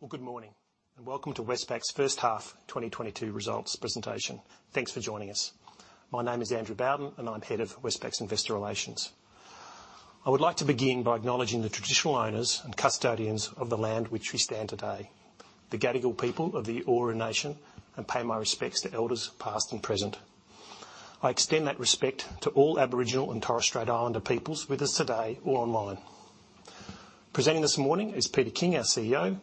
Well, good morning, and welcome to Westpac's first half 2022 results presentation. Thanks for joining us. My name is Andrew Bowden, and I'm head of Westpac's Investor Relations. I would like to begin by acknowledging the traditional owners and custodians of the land on which we stand today, the Gadigal people of the Eora Nation, and pay my respects to elders past and present. I extend that respect to all Aboriginal and Torres Strait Islander peoples with us today or online. Presenting this morning is Peter King, our CEO,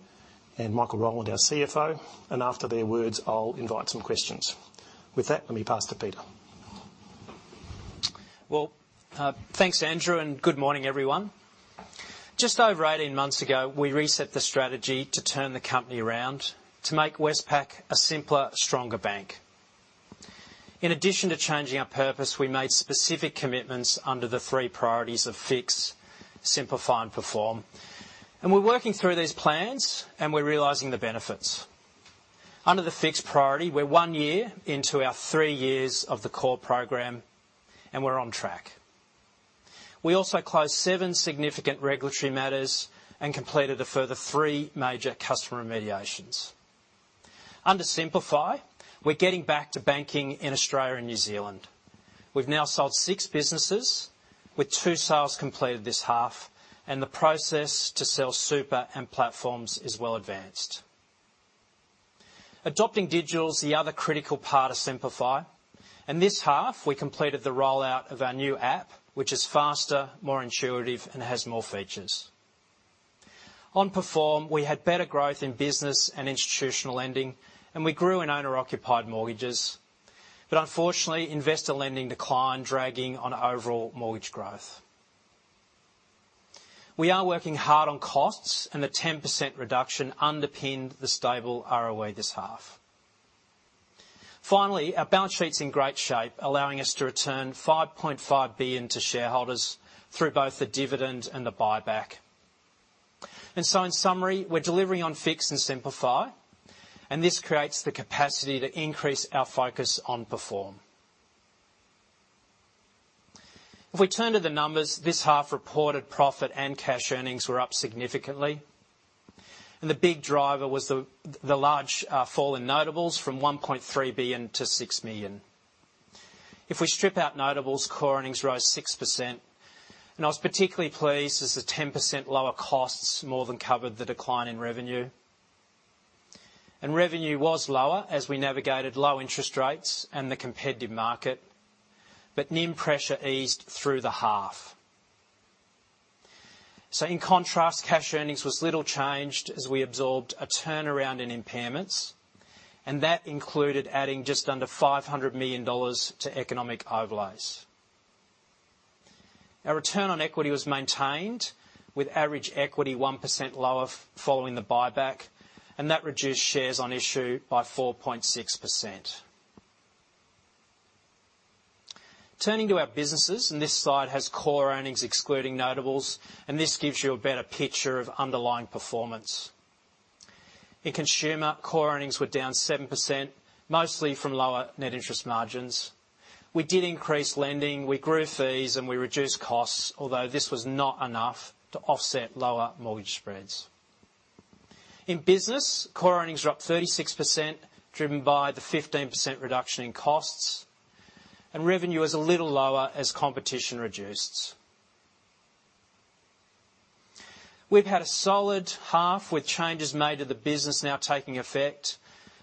and Michael Rowland, our CFO, and after their words, I'll invite some questions. With that, let me pass to Peter. Well, thanks, Andrew, and good morning, everyone. Just over 18 months ago, we reset the strategy to turn the company around to make Westpac a simpler, stronger bank. In addition to changing our purpose, we made specific commitments under the three priorities of fix, simplify, and perform. We're working through these plans, and we're realizing the benefits. Under the fix priority, we're one year into our three years of the CORE program, and we're on track. We also closed seven significant regulatory matters and completed a further three major customer remediations. Under simplify, we're getting back to banking in Australia and New Zealand. We've now sold six businesses, with two sales completed this half, and the process to sell Super and Platforms is well advanced. Adopting digital is the other critical part of simplify, and this half we completed the rollout of our new app, which is faster, more intuitive, and has more features. On perform, we had better growth in business and institutional lending, and we grew in owner-occupied mortgages, but unfortunately, investor lending declined, dragging on overall mortgage growth. We are working hard on costs, and the 10% reduction underpinned the stable ROE this half. Finally, our balance sheet's in great shape, allowing us to return 5.5 billion to shareholders through both the dividend and the buyback. In summary, we're delivering on fix and simplify, and this creates the capacity to increase our focus on perform. If we turn to the numbers, this half reported profit and cash earnings were up significantly, and the big driver was the large fall in notables from 1.3 billion to 6 million. If we strip out notables, core earnings rose 6%, and I was particularly pleased as the 10% lower costs more than covered the decline in revenue. Revenue was lower as we navigated low interest rates and the competitive market, but NIM pressure eased through the half. In contrast, cash earnings was little changed as we absorbed a turnaround in impairments, and that included adding just under 500 million dollars to economic overlays. Our return on equity was maintained with average equity 1% lower following the buyback, and that reduced shares on issue by 4.6%. Turning to our businesses, and this slide has core earnings excluding notables, and this gives you a better picture of underlying performance. In consumer, core earnings were down 7%, mostly from lower net interest margins. We did increase lending, we grew fees, and we reduced costs, although this was not enough to offset lower mortgage spreads. In business, core earnings were up 36%, driven by the 15% reduction in costs and revenue is a little lower as competition reduced. We've had a solid half with changes made to the business now taking effect.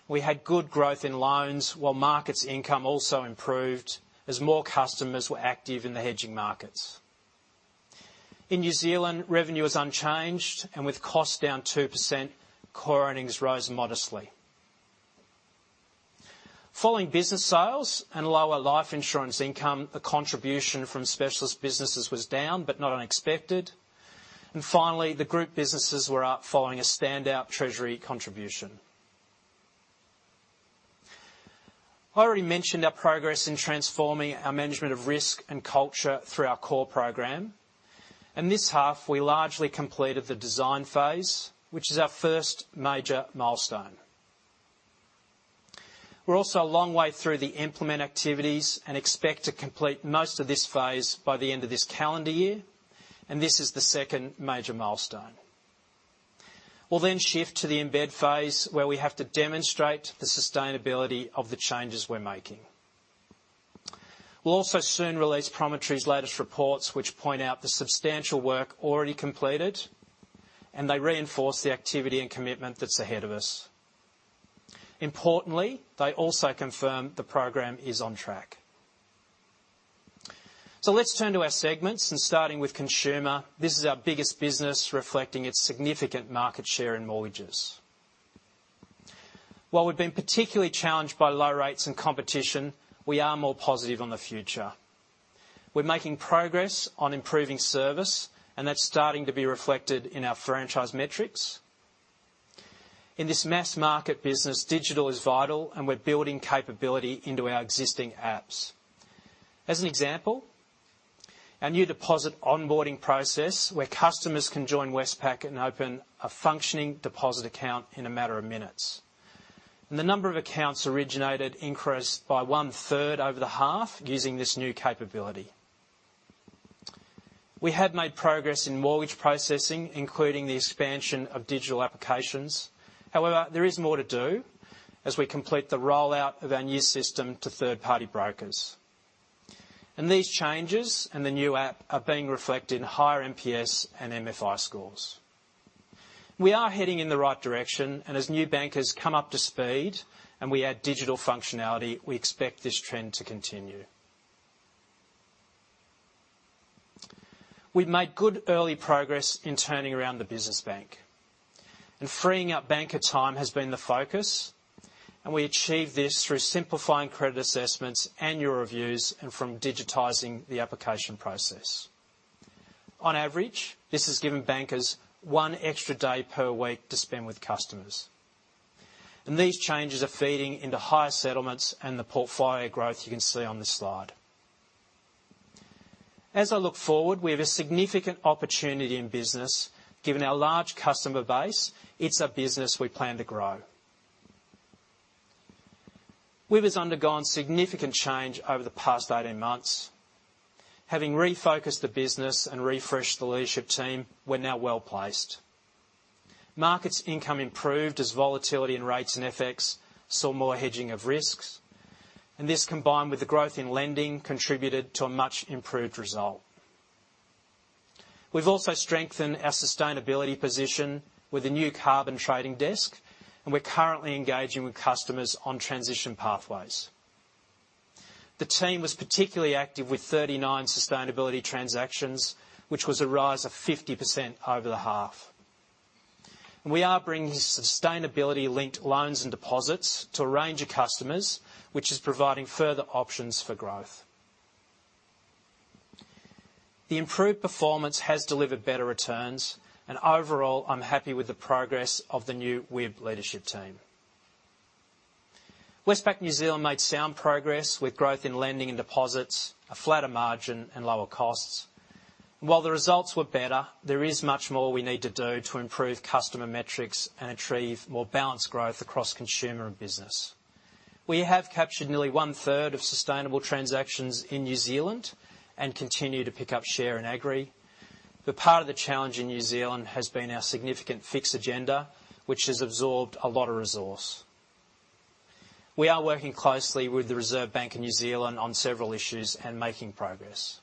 We had good growth in loans while markets income also improved as more customers were active in the hedging markets. In New Zealand, revenue is unchanged, and with costs down 2%, core earnings rose modestly. Following business sales and lower life insurance income, the contribution from specialist businesses was down, but not unexpected. Finally, the group businesses were up following a standout treasury contribution. I already mentioned our progress in transforming our management of risk and culture through our CORE program. In this half, we largely completed the design phase, which is our first major milestone. We're also a long way through the implementation activities and expect to complete most of this phase by the end of this calendar year, and this is the second major milestone. We'll then shift to the embed phase, where we have to demonstrate the sustainability of the changes we're making. We'll also soon release Promontory's latest reports, which point out the substantial work already completed, and they reinforce the activity and commitment that's ahead of us. Importantly, they also confirm the program is on track. Let's turn to our segments, starting with consumer. This is our biggest business reflecting its significant market share in mortgages. While we've been particularly challenged by low rates and competition, we are more positive on the future. We're making progress on improving service, and that's starting to be reflected in our franchise metrics. In this mass market business, digital is vital, and we're building capability into our existing apps. As an example, our new deposit onboarding process, where customers can join Westpac and open a functioning deposit account in a matter of minutes. The number of accounts originated increased by 1/3 over the half using this new capability. We have made progress in mortgage processing, including the expansion of digital applications. However, there is more to do as we complete the rollout of our new system to third-party brokers. These changes and the new app are being reflected in higher NPS and MFI scores. We are heading in the right direction, and as new bankers come up to speed and we add digital functionality, we expect this trend to continue. We've made good early progress in turning around the business bank. Freeing up banker time has been the focus, and we achieve this through simplifying credit assessments and year reviews and from digitizing the application process. On average, this has given bankers one extra day per week to spend with customers. These changes are feeding into higher settlements and the portfolio growth you can see on the slide. As I look forward, we have a significant opportunity in business. Given our large customer base, it's a business we plan to grow. WIB has undergone significant change over the past 18 months. Having refocused the business and refreshed the leadership team, we're now well-placed. Markets income improved as volatility in rates and FX saw more hedging of risks, and this, combined with the growth in lending, contributed to a much improved result. We've also strengthened our sustainability position with a new carbon trading desk, and we're currently engaging with customers on transition pathways. The team was particularly active with 39 sustainability transactions, which was a rise of 50% over the half. We are bringing sustainability-linked loans and deposits to a range of customers, which is providing further options for growth. The improved performance has delivered better returns, and overall, I'm happy with the progress of the new WIB leadership team. Westpac New Zealand made sound progress with growth in lending and deposits, a flatter margin, and lower costs. While the results were better, there is much more we need to do to improve customer metrics and achieve more balanced growth across consumer and business. We have captured nearly 1/3 of sustainable transactions in New Zealand and continue to pick up share in agri, but part of the challenge in New Zealand has been our significant fix agenda, which has absorbed a lot of resource. We are working closely with the Reserve Bank of New Zealand on several issues and making progress.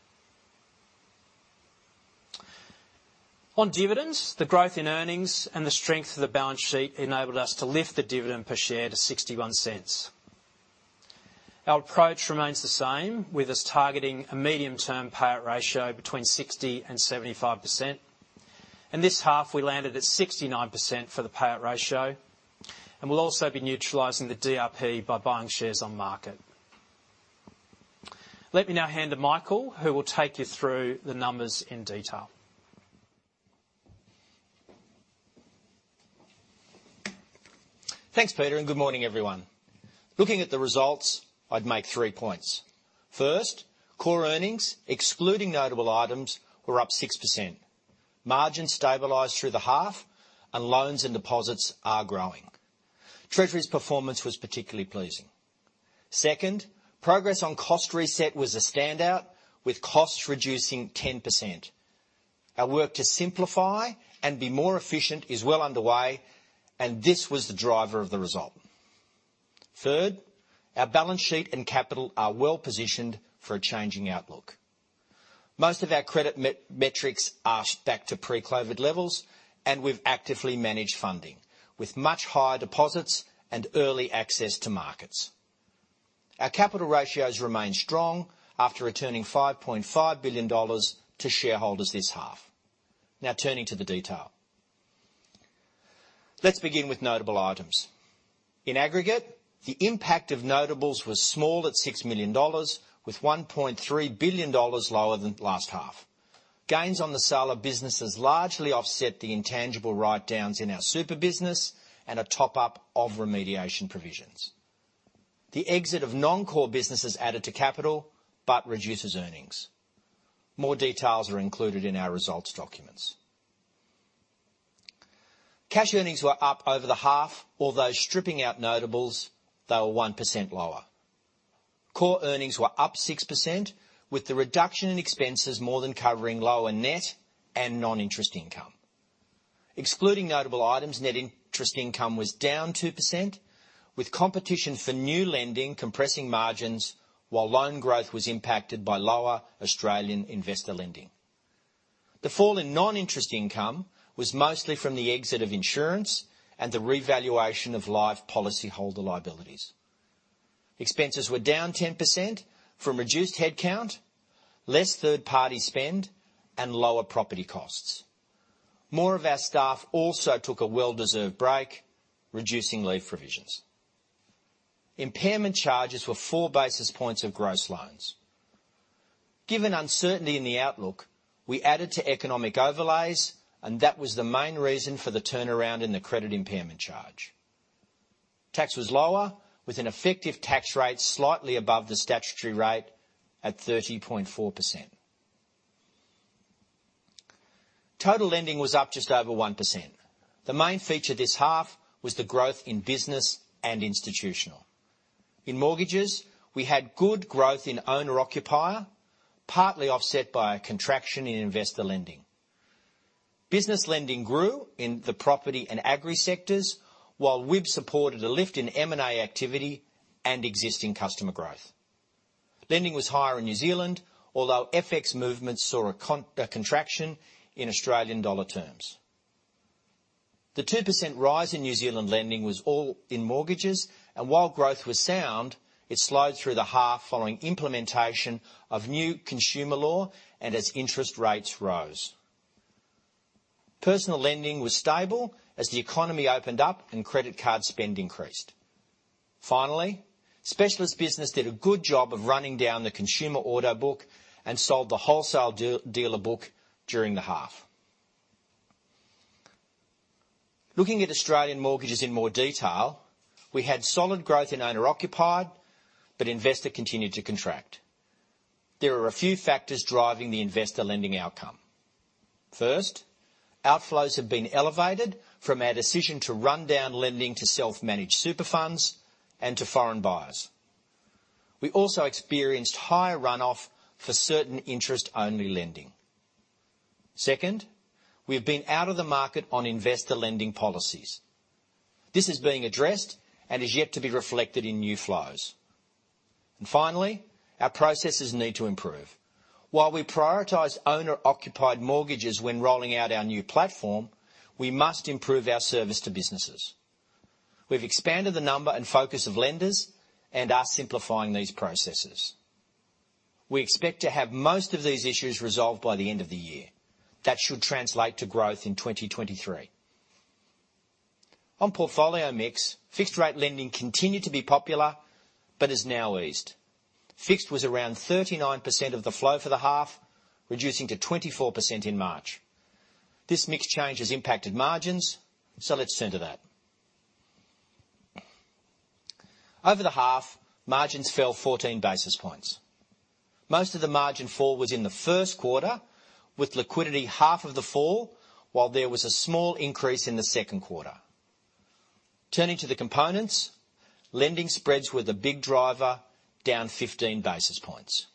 On dividends, the growth in earnings and the strength of the balance sheet enabled us to lift the dividend per share to 0.61. Our approach remains the same, with us targeting a medium-term payout ratio between 60%-75%. In this half, we landed at 69% for the payout ratio, and we'll also be neutralizing the DRP by buying shares on market. Let me now hand to Michael, who will take you through the numbers in detail. Thanks, Peter, and good morning, everyone. Looking at the results, I'd make three points. First, core earnings, excluding notable items, were up 6%. Margins stabilized through the half and loans and deposits are growing. Treasury's performance was particularly pleasing. Second, progress on cost reset was a standout, with costs reducing 10%. Our work to simplify and be more efficient is well underway, and this was the driver of the result. Third, our balance sheet and capital are well-positioned for a changing outlook. Most of our credit metrics are back to pre-COVID levels, and we've actively managed funding with much higher deposits and early access to markets. Our capital ratios remain strong after returning 5.5 billion dollars to shareholders this half. Now turning to the detail. Let's begin with notable items. In aggregate, the impact of notables was small at 6 million dollars with 1.3 billion dollars lower than last half. Gains on the sale of businesses largely offset the intangible writedowns in our super business and a top-up of remediation provisions. The exit of non-core businesses added to capital but reduces earnings. More details are included in our results documents. Cash earnings were up over the half. Although stripping out notables, they were 1% lower. Core earnings were up 6% with the reduction in expenses more than covering lower net and non-interest income. Excluding notable items, net interest income was down 2% with competition for new lending compressing margins while loan growth was impacted by lower Australian investor lending. The fall in non-interest income was mostly from the exit of insurance and the revaluation of life policyholder liabilities. Expenses were down 10% from reduced headcount, less third-party spend, and lower property costs. More of our staff also took a well-deserved break, reducing leave provisions. Impairment charges were four basis points of gross loans. Given uncertainty in the outlook, we added to economic overlays, and that was the main reason for the turnaround in the credit impairment charge. Tax was lower, with an effective tax rate slightly above the statutory rate at 30.4%. Total lending was up just over 1%. The main feature this half was the growth in business and institutional. In mortgages, we had good growth in owner-occupier, partly offset by a contraction in investor lending. Business lending grew in the property and agri sectors, while WIB supported a lift in M&A activity and existing customer growth. Lending was higher in New Zealand, although FX movements saw a contraction in Australian dollar terms. The 2% rise in New Zealand lending was all in mortgages, and while growth was sound, it slowed through the half following implementation of new consumer law and as interest rates rose. Personal lending was stable as the economy opened up and credit card spend increased. Finally, specialist business did a good job of running down the consumer order book and sold the wholesale dealer book during the half. Looking at Australian mortgages in more detail, we had solid growth in owner-occupied, but investor continued to contract. There are a few factors driving the investor lending outcome. First, outflows have been elevated from our decision to run down lending to self-managed super funds and to foreign buyers. We also experienced higher runoff for certain interest-only lending. Second, we have been out of the market on investor lending policies. This is being addressed and is yet to be reflected in new flows. Finally, our processes need to improve. While we prioritize owner-occupied mortgages when rolling out our new platform, we must improve our service to businesses. We've expanded the number and focus of lenders and are simplifying these processes. We expect to have most of these issues resolved by the end of the year. That should translate to growth in 2023. On portfolio mix, fixed rate lending continued to be popular but has now eased. Fixed was around 39% of the flow for the half, reducing to 24% in March. This mix change has impacted margins, so let's turn to that. Over the half, margins fell 14 basis points. Most of the margin fall was in the first quarter, with liquidity half of the fall, while there was a small increase in the second quarter. Turning to the components, lending spreads were the big driver, down 15 basis points.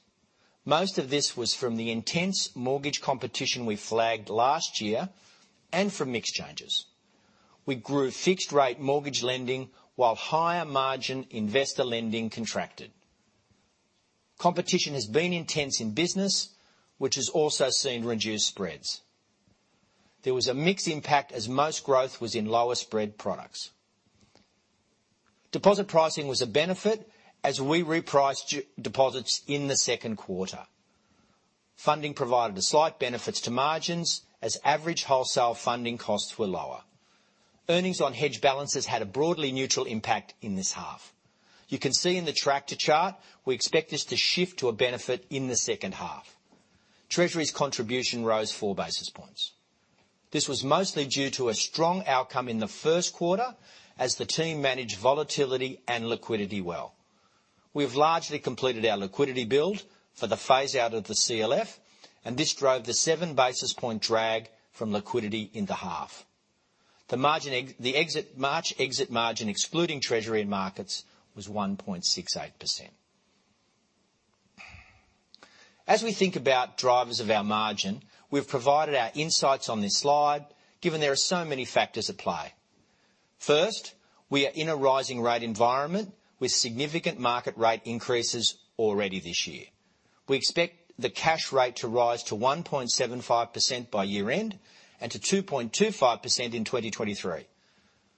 Most of this was from the intense mortgage competition we flagged last year and from mix changes. We grew fixed rate mortgage lending while higher margin investor lending contracted. Competition has been intense in business, which has also seen reduced spreads. There was a mixed impact as most growth was in lower spread products. Deposit pricing was a benefit as we repriced deposits in the second quarter. Funding provided a slight benefits to margins as average wholesale funding costs were lower. Earnings on hedged balances had a broadly neutral impact in this half. You can see in the tractor chart, we expect this to shift to a benefit in the second half. Treasury's contribution rose 4 basis points. This was mostly due to a strong outcome in the first quarter as the team managed volatility and liquidity well. We've largely completed our liquidity build for the phase-out of the CLF, and this drove the 7 basis point drag from liquidity in the half. The March exit margin, excluding treasury and markets, was 1.68%. As we think about drivers of our margin, we've provided our insights on this slide given there are so many factors at play. First, we are in a rising rate environment with significant market rate increases already this year. We expect the cash rate to rise to 1.75% by year-end and to 2.25% in 2023.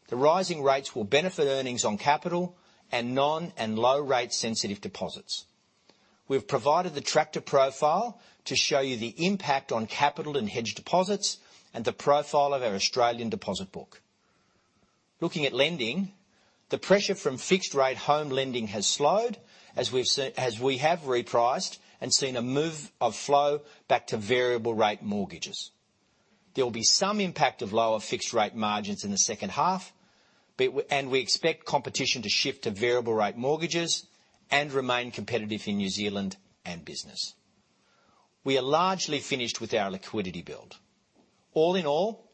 The rising rates will benefit earnings on capital and non- and low-rate sensitive deposits. We have provided the tractor profile to show you the impact on capital and hedged deposits and the profile of our Australian deposit book. Looking at lending, the pressure from fixed-rate home lending has slowed as we have repriced and seen a move in flow back to variable-rate mortgages. There will be some impact of lower fixed-rate margins in the second half, but we expect competition to shift to variable-rate mortgages and remain competitive in New Zealand and business. We are largely finished with our liquidity build. All in all,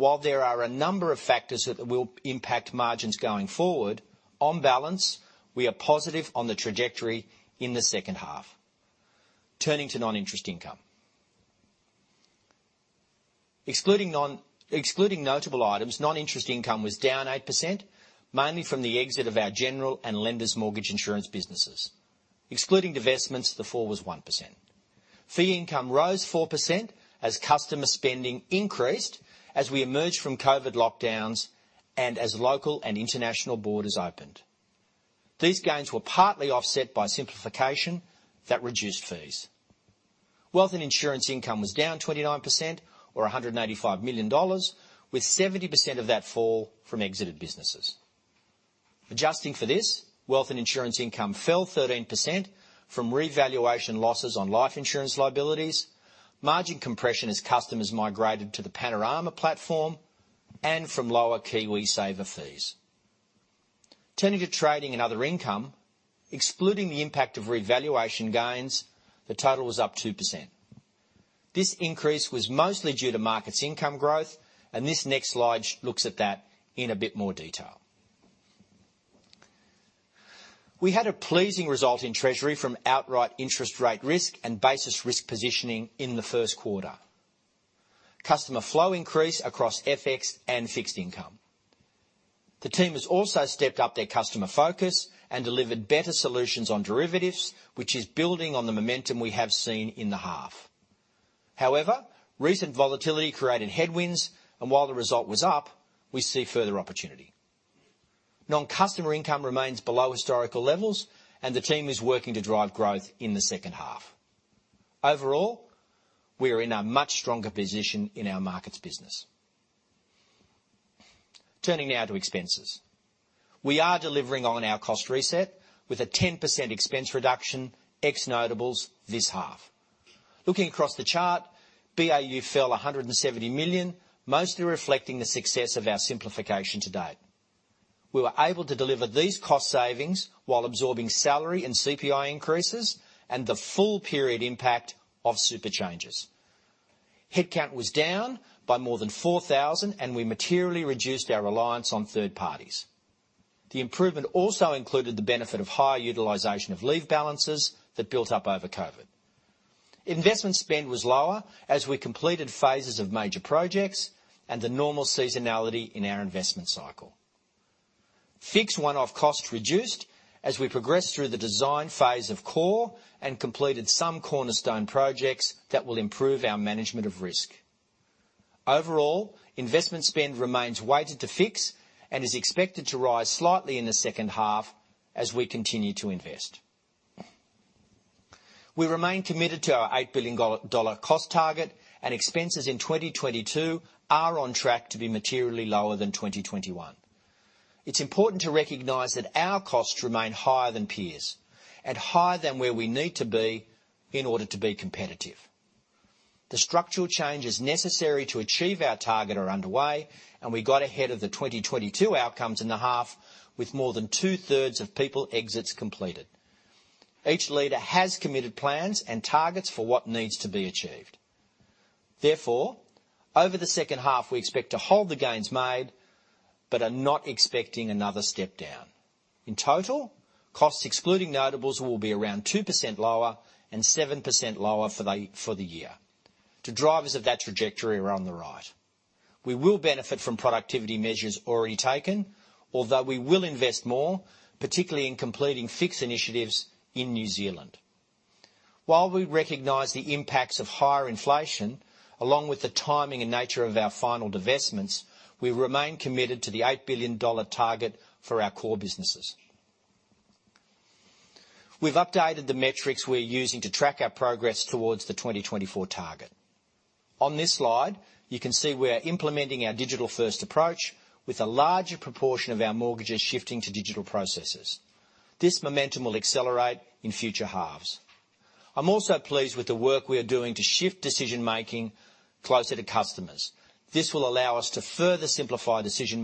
while there are a number of factors that will impact margins going forward, on balance, we are positive on the trajectory in the second half. Turning to non-interest income. Excluding notable items, non-interest income was down 8%, mainly from the exit of our general and lender's mortgage insurance businesses. Excluding divestments, the fall was 1%. Fee income rose 4% as customer spending increased as we emerged from COVID lockdowns and as local and international borders opened. These gains were partly offset by simplification that reduced fees. Wealth and insurance income was down 29% or 185 million dollars, with 70% of that fall from exited businesses. Adjusting for this, wealth and insurance income fell 13% from revaluation losses on life insurance liabilities, margin compression as customers migrated to the Panorama platform, and from lower KiwiSaver fees. Turning to trading and other income. Excluding the impact of revaluation gains, the total was up 2%. This increase was mostly due to markets income growth, and this next slide looks at that in a bit more detail. We had a pleasing result in treasury from outright interest rate risk and basis risk positioning in the first quarter. Customer flow increase across FX and fixed income. The team has also stepped up their customer focus and delivered better solutions on derivatives, which is building on the momentum we have seen in the half. However, recent volatility created headwinds, and while the result was up, we see further opportunity. Non-customer income remains below historical levels, and the team is working to drive growth in the second half. Overall, we are in a much stronger position in our markets business. Turning now to expenses. We are delivering on our cost reset with a 10% expense reduction ex-notables this half. Looking across the chart, BAU fell 170 million, mostly reflecting the success of our simplification to date. We were able to deliver these cost savings while absorbing salary and CPI increases and the full period impact of super changes. Headcount was down by more than 4,000, and we materially reduced our reliance on third parties. The improvement also included the benefit of higher utilization of leave balances that built up over COVID. Investment spend was lower as we completed phases of major projects and the normal seasonality in our investment cycle. Fixed one-off costs reduced as we progressed through the design phase of core and completed some cornerstone projects that will improve our management of risk. Overall, investment spend remains weighted to fix and is expected to rise slightly in the second half as we continue to invest. We remain committed to our 8 billion dollar cost target, and expenses in 2022 are on track to be materially lower than 2021. It's important to recognize that our costs remain higher than peers, and higher than where we need to be in order to be competitive. The structural changes necessary to achieve our target are underway, and we got ahead of the 2022 outcomes in the half with more than two-thirds of people exits completed. Each leader has committed plans and targets for what needs to be achieved. Therefore, over the second half, we expect to hold the gains made, but are not expecting another step down. In total, costs excluding notables will be around 2% lower and 7% lower for the year. The drivers of that trajectory are on the right. We will benefit from productivity measures already taken, although we will invest more, particularly in completing fixed initiatives in New Zealand. While we recognize the impacts of higher inflation, along with the timing and nature of our final divestments, we remain committed to the 8 billion dollar target for our core businesses. We've updated the metrics we're using to track our progress towards the 2024 target. On this slide, you can see we are implementing our digital-first approach with a larger proportion of our mortgages shifting to digital processes. This momentum will accelerate in future halves. I'm also pleased with the work we are doing to shift decision-making closer to customers. This will allow us to further simplify decision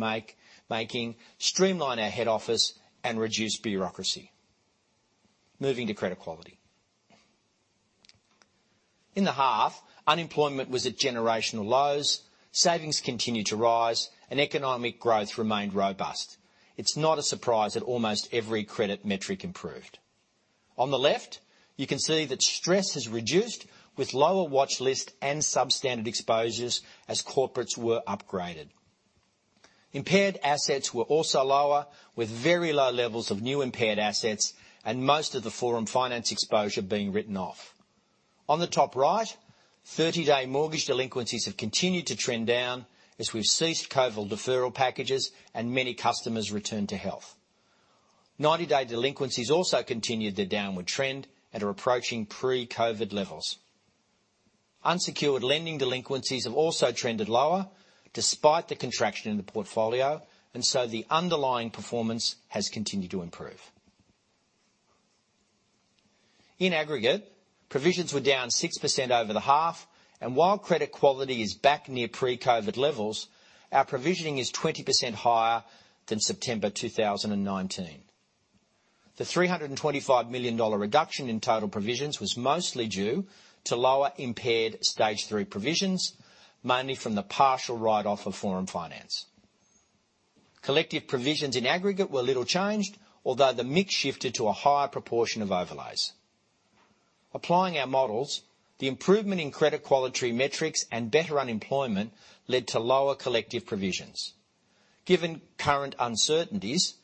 making, streamline our head office, and reduce bureaucracy. Moving to credit quality. In the half, unemployment was at generational lows, savings continued to rise, and economic growth remained robust. It's not a surprise that almost every credit metric improved. On the left, you can see that stress has reduced with lower watch list and substandard exposures as corporates were upgraded. Impaired assets were also lower, with very low levels of new impaired assets and most of the Forum Finance exposure being written off. On the top right, 30-day mortgage delinquencies have continued to trend down as we've ceased COVID deferral packages and many customers return to health. 90-day delinquencies also continued their downward trend and are approaching pre-COVID levels. Unsecured lending delinquencies have also trended lower despite the contraction in the portfolio, and so the underlying performance has continued to improve. In aggregate, provisions were down 6% over the half, and while credit quality is back near pre-COVID levels, our provisioning is 20% higher than September 2019. The 325 million dollar reduction in total provisions was mostly due to lower impaired stage 3 provisions, mainly from the partial write-off of Forum Finance. Collective provisions in aggregate were little changed, although the mix shifted to a higher proportion of overlays. Applying our models, the improvement in credit quality metrics and better unemployment led to lower collective provisions. Given current uncertainties,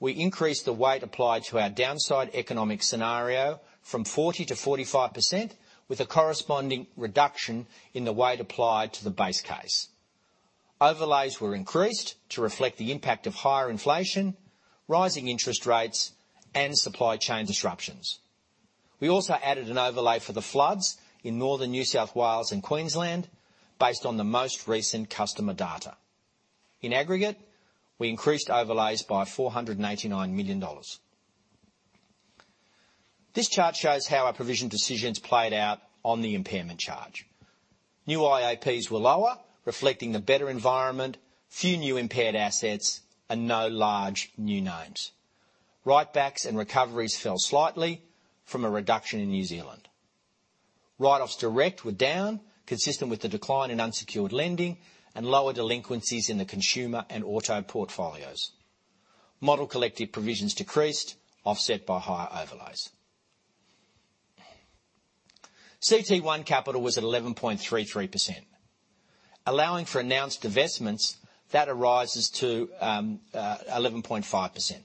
we increased the weight applied to our downside economic scenario from 40% to 45% with a corresponding reduction in the weight applied to the base case. Overlays were increased to reflect the impact of higher inflation, rising interest rates, and supply chain disruptions. We also added an overlay for the floods in northern New South Wales and Queensland based on the most recent customer data. In aggregate, we increased overlays by 489 million dollars. This chart shows how our provision decisions played out on the impairment charge. New IAPs were lower, reflecting the better environment, few new impaired assets, and no large new names. Write-backs and recoveries fell slightly from a reduction in New Zealand. Write-offs direct were down, consistent with the decline in unsecured lending and lower delinquencies in the consumer and auto portfolios. Model collective provisions decreased, offset by higher overlays. CET1 capital was at 11.33%. Allowing for announced divestments, that arises to 11.5%.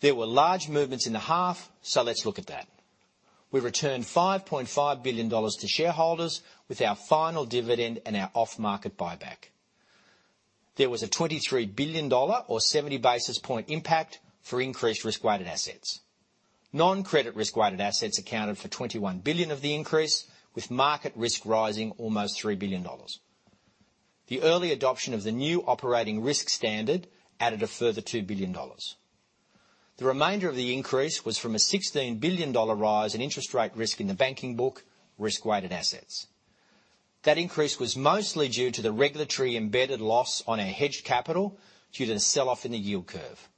There were large movements in the half, so let's look at that. We returned AUD 5.5 billion to shareholders with our final dividend and our off-market buyback. There was an 23 billion dollar or 70 basis points impact for increased risk-weighted assets. Non-credit risk-weighted assets accounted for AUD 21 billion of the increase, with market risk rising almost AUD 3 billion. The early adoption of the new operating risk standard added a further AUD 2 billion. The remainder of the increase was from an AUD 16 billion rise in interest rate risk in the banking book risk-weighted assets. That increase was mostly due to the regulatory-embedded loss on our hedged capital due to the sell-off in the yield curve.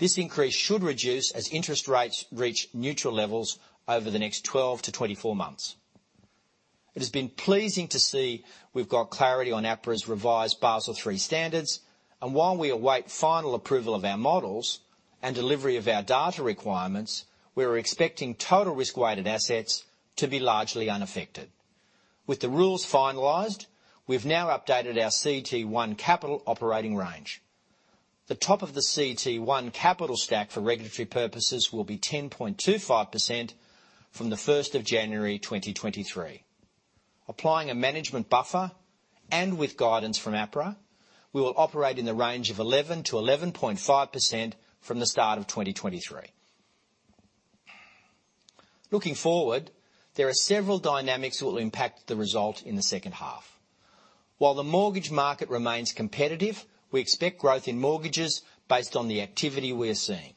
This increase should reduce as interest rates reach neutral levels over the next 12-24 months. It has been pleasing to see we've got clarity on APRA's revised Basel III standards. While we await final approval of our models and delivery of our data requirements, we are expecting total risk-weighted assets to be largely unaffected. With the rules finalized, we've now updated our CET1 capital operating range. The top of the CET1 capital stack for regulatory purposes will be 10.25% from January 1, 2023. Applying a management buffer, and with guidance from APRA, we will operate in the range of 11%-11.5% from the start of 2023. Looking forward, there are several dynamics that will impact the result in the second half. While the mortgage market remains competitive, we expect growth in mortgages based on the activity we're seeing.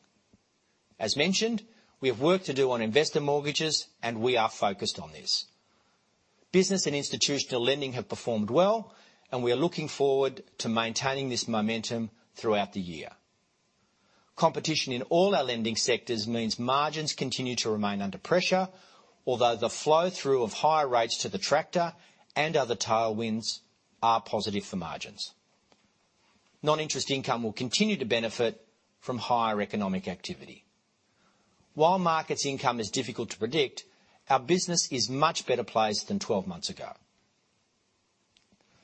As mentioned, we have work to do on investor mortgages, and we are focused on this. Business and institutional lending have performed well, and we are looking forward to maintaining this momentum throughout the year. Competition in all our lending sectors means margins continue to remain under pressure, although the flow-through of higher rates to the tractor and other tailwinds are positive for margins. Non-interest income will continue to benefit from higher economic activity. While markets income is difficult to predict, our business is much better placed than twelve months ago.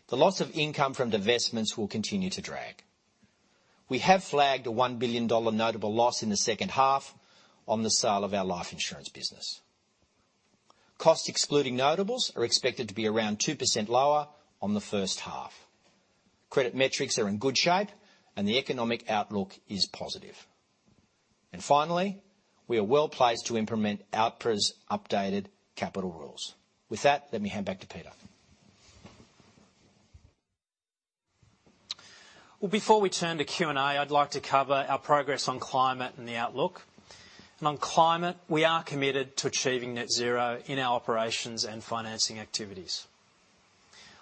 The loss of income from divestments will continue to drag. We have flagged a 1 billion dollar notable loss in the second half on the sale of our life insurance business. Costs excluding notables are expected to be around 2% lower on the first half. Credit metrics are in good shape, and the economic outlook is positive. Finally, we are well-placed to implement APRA's updated capital rules. With that, let me hand back to Peter. Well, before we turn to Q&A, I'd like to cover our progress on climate and the outlook. On climate, we are committed to achieving net zero in our operations and financing activities.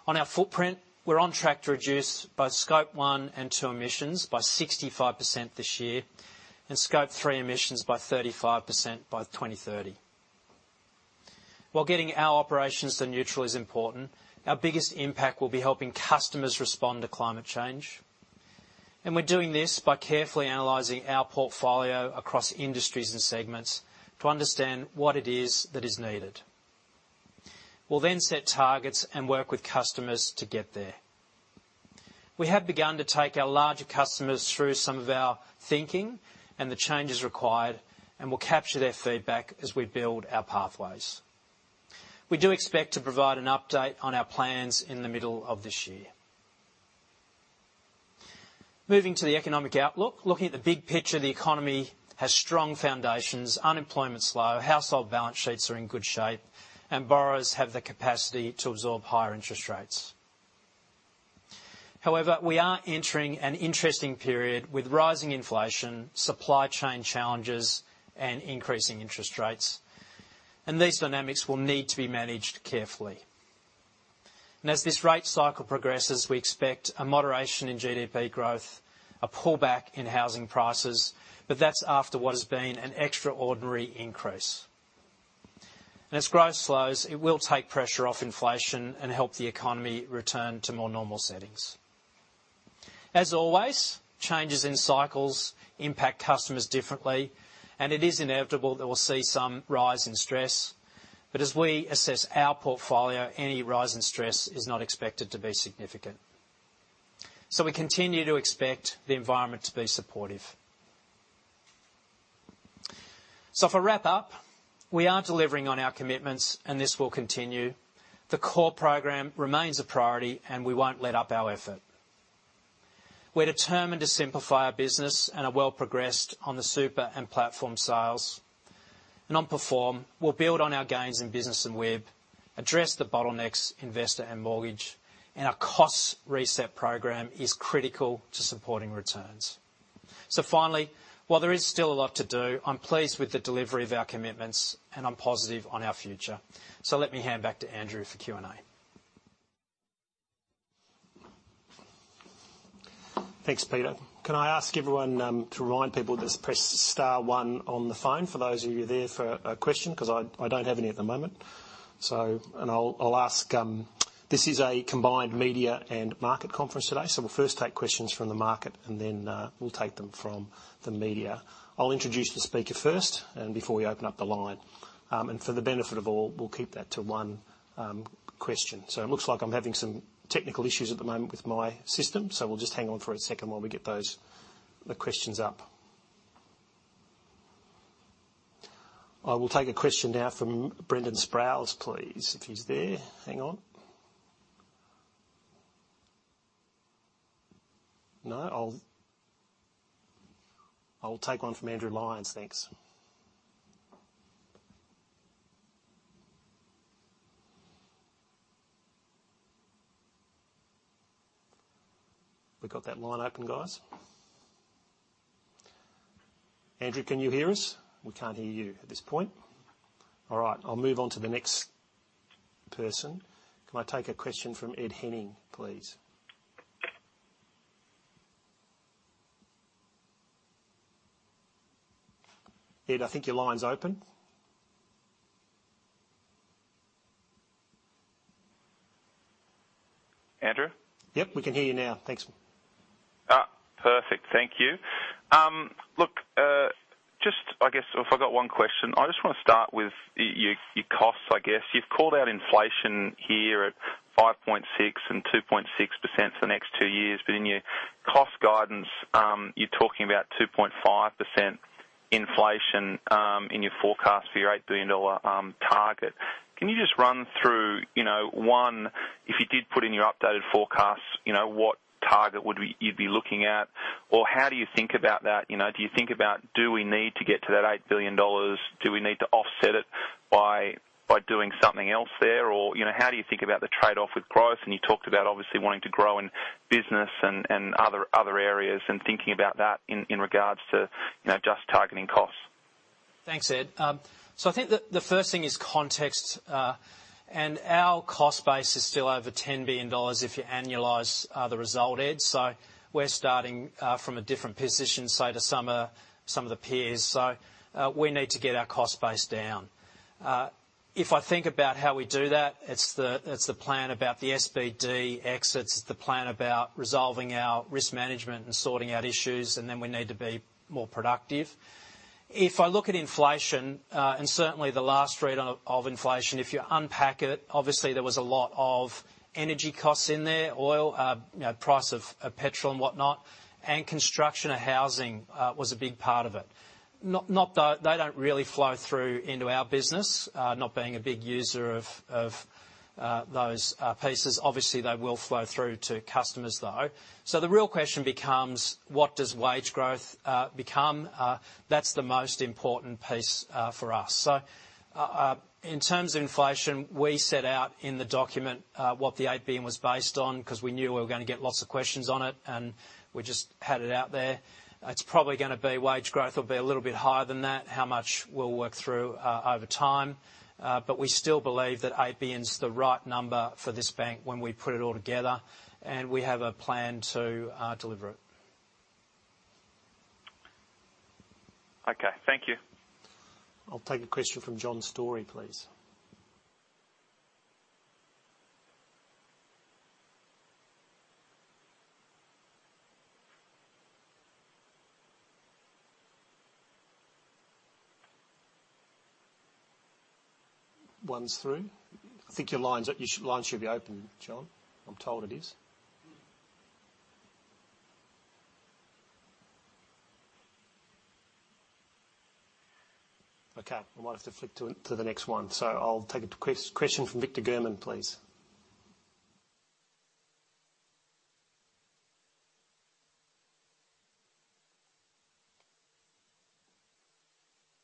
On our footprint, we're on track to reduce both Scope 1 and 2 emissions by 65% this year and Scope 3 emissions by 35% by 2030. While getting our operations to neutral is important, our biggest impact will be helping customers respond to climate change. We're doing this by carefully analyzing our portfolio across industries and segments to understand what it is that is needed. We'll then set targets and work with customers to get there. We have begun to take our larger customers through some of our thinking and the changes required, and we'll capture their feedback as we build our pathways. We do expect to provide an update on our plans in the middle of this year. Moving to the economic outlook. Looking at the big picture, the economy has strong foundations. Unemployment's low, household balance sheets are in good shape, and borrowers have the capacity to absorb higher interest rates. However, we are entering an interesting period with rising inflation, supply chain challenges, and increasing interest rates, and these dynamics will need to be managed carefully. As this rate cycle progresses, we expect a moderation in GDP growth, a pullback in housing prices, but that's after what has been an extraordinary increase. As growth slows, it will take pressure off inflation and help the economy return to more normal settings. As always, changes in cycles impact customers differently, and it is inevitable that we'll see some rise in stress. As we assess our portfolio, any rise in stress is not expected to be significant. We continue to expect the environment to be supportive. For wrap-up, we are delivering on our commitments and this will continue. The CORE program remains a priority, and we won't let up our effort. We're determined to simplify our business and are well progressed on the Super and Platforms sales. On performance, we'll build on our gains in business and wealth, address the bottlenecks, investor and mortgage, and our cost reset program is critical to supporting returns. Finally, while there is still a lot to do, I'm pleased with the delivery of our commitments, and I'm positive on our future. Let me hand back to Andrew for Q&A. Thanks, Peter. Can I ask everyone to remind people, just press star one on the phone for those of you there for a question, 'cause I don't have any at the moment. I'll ask, this is a combined media and market conference today. We'll first take questions from the market, and then we'll take them from the media. I'll introduce the speaker first and before we open up the line. For the benefit of all, we'll keep that to one question. It looks like I'm having some technical issues at the moment with my system. We'll just hang on for a second while we get those questions up. I will take a question now from Brendan Sproules, please, if he's there. Hang on. No? I'll take one from Andrew Lyons. Thanks. We got that line open, guys? Andrew, can you hear us? We can't hear you at this point. All right. I'll move on to the next person. Can I take a question from Ed Henning, please? Ed, I think your line's open. Andrew? Yep, we can hear you now. Thanks. Perfect. Thank you. Look, just I guess if I got one question, I just wanna start with your costs, I guess. You've called out inflation here at 5.6% and 2.6% for the next two years. In your cost guidance, you're talking about 2.5% inflation in your forecast for your 8 billion dollar target. Can you just run through, you know, if you did put in your updated forecasts, you know, what target would you'd be looking at? Or how do you think about that? You know, do you think about, do we need to get to that 8 billion dollars? Do we need to offset it by doing something else there? Or, you know, how do you think about the trade-off with growth? You talked about, obviously, wanting to grow in business and other areas and thinking about that in regards to, you know, just targeting costs. Thanks, Ed. I think the first thing is context. Our cost base is still over 10 billion dollars if you annualize the result, Ed. We're starting from a different position, say, to some of the peers. We need to get our cost base down. If I think about how we do that, it's the plan abut the SBD exits. It's the plan about resolving our risk management and sorting out issues, and then we need to be more productive. If I look at inflation and certainly the last read of inflation, if you unpack it, obviously there was a lot of energy costs in there, oil, you know, price of petrol and whatnot, and construction of housing was a big part of it. They don't really flow through into our business, not being a big user of those pieces. Obviously, they will flow through to customers, though. The real question becomes, what does wage growth become? That's the most important piece for us. In terms of inflation, we set out in the document what the 8 billion was based on, 'cause we knew we were gonna get lots of questions on it, and we just had it out there. It's probably gonna be wage growth will be a little bit higher than that. How much, we'll work through over time. But we still believe that 8 billion is the right number for this bank when we put it all together, and we have a plan to deliver it. Okay. Thank you. I'll take a question from John Storey, please. One's through. I think your line should be open, John. I'm told it is. Okay. I might have to flick to the next one. I'll take a question from Victor German, please.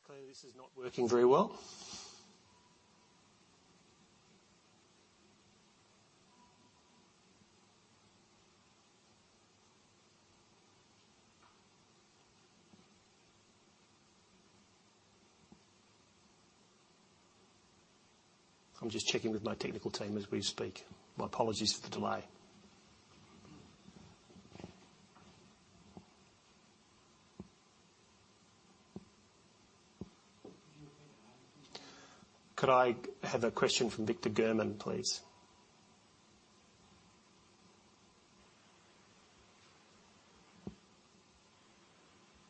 Clearly, this is not working very well. I'm just checking with my technical team as we speak. My apologies for the delay. Could I have a question from Victor German, please?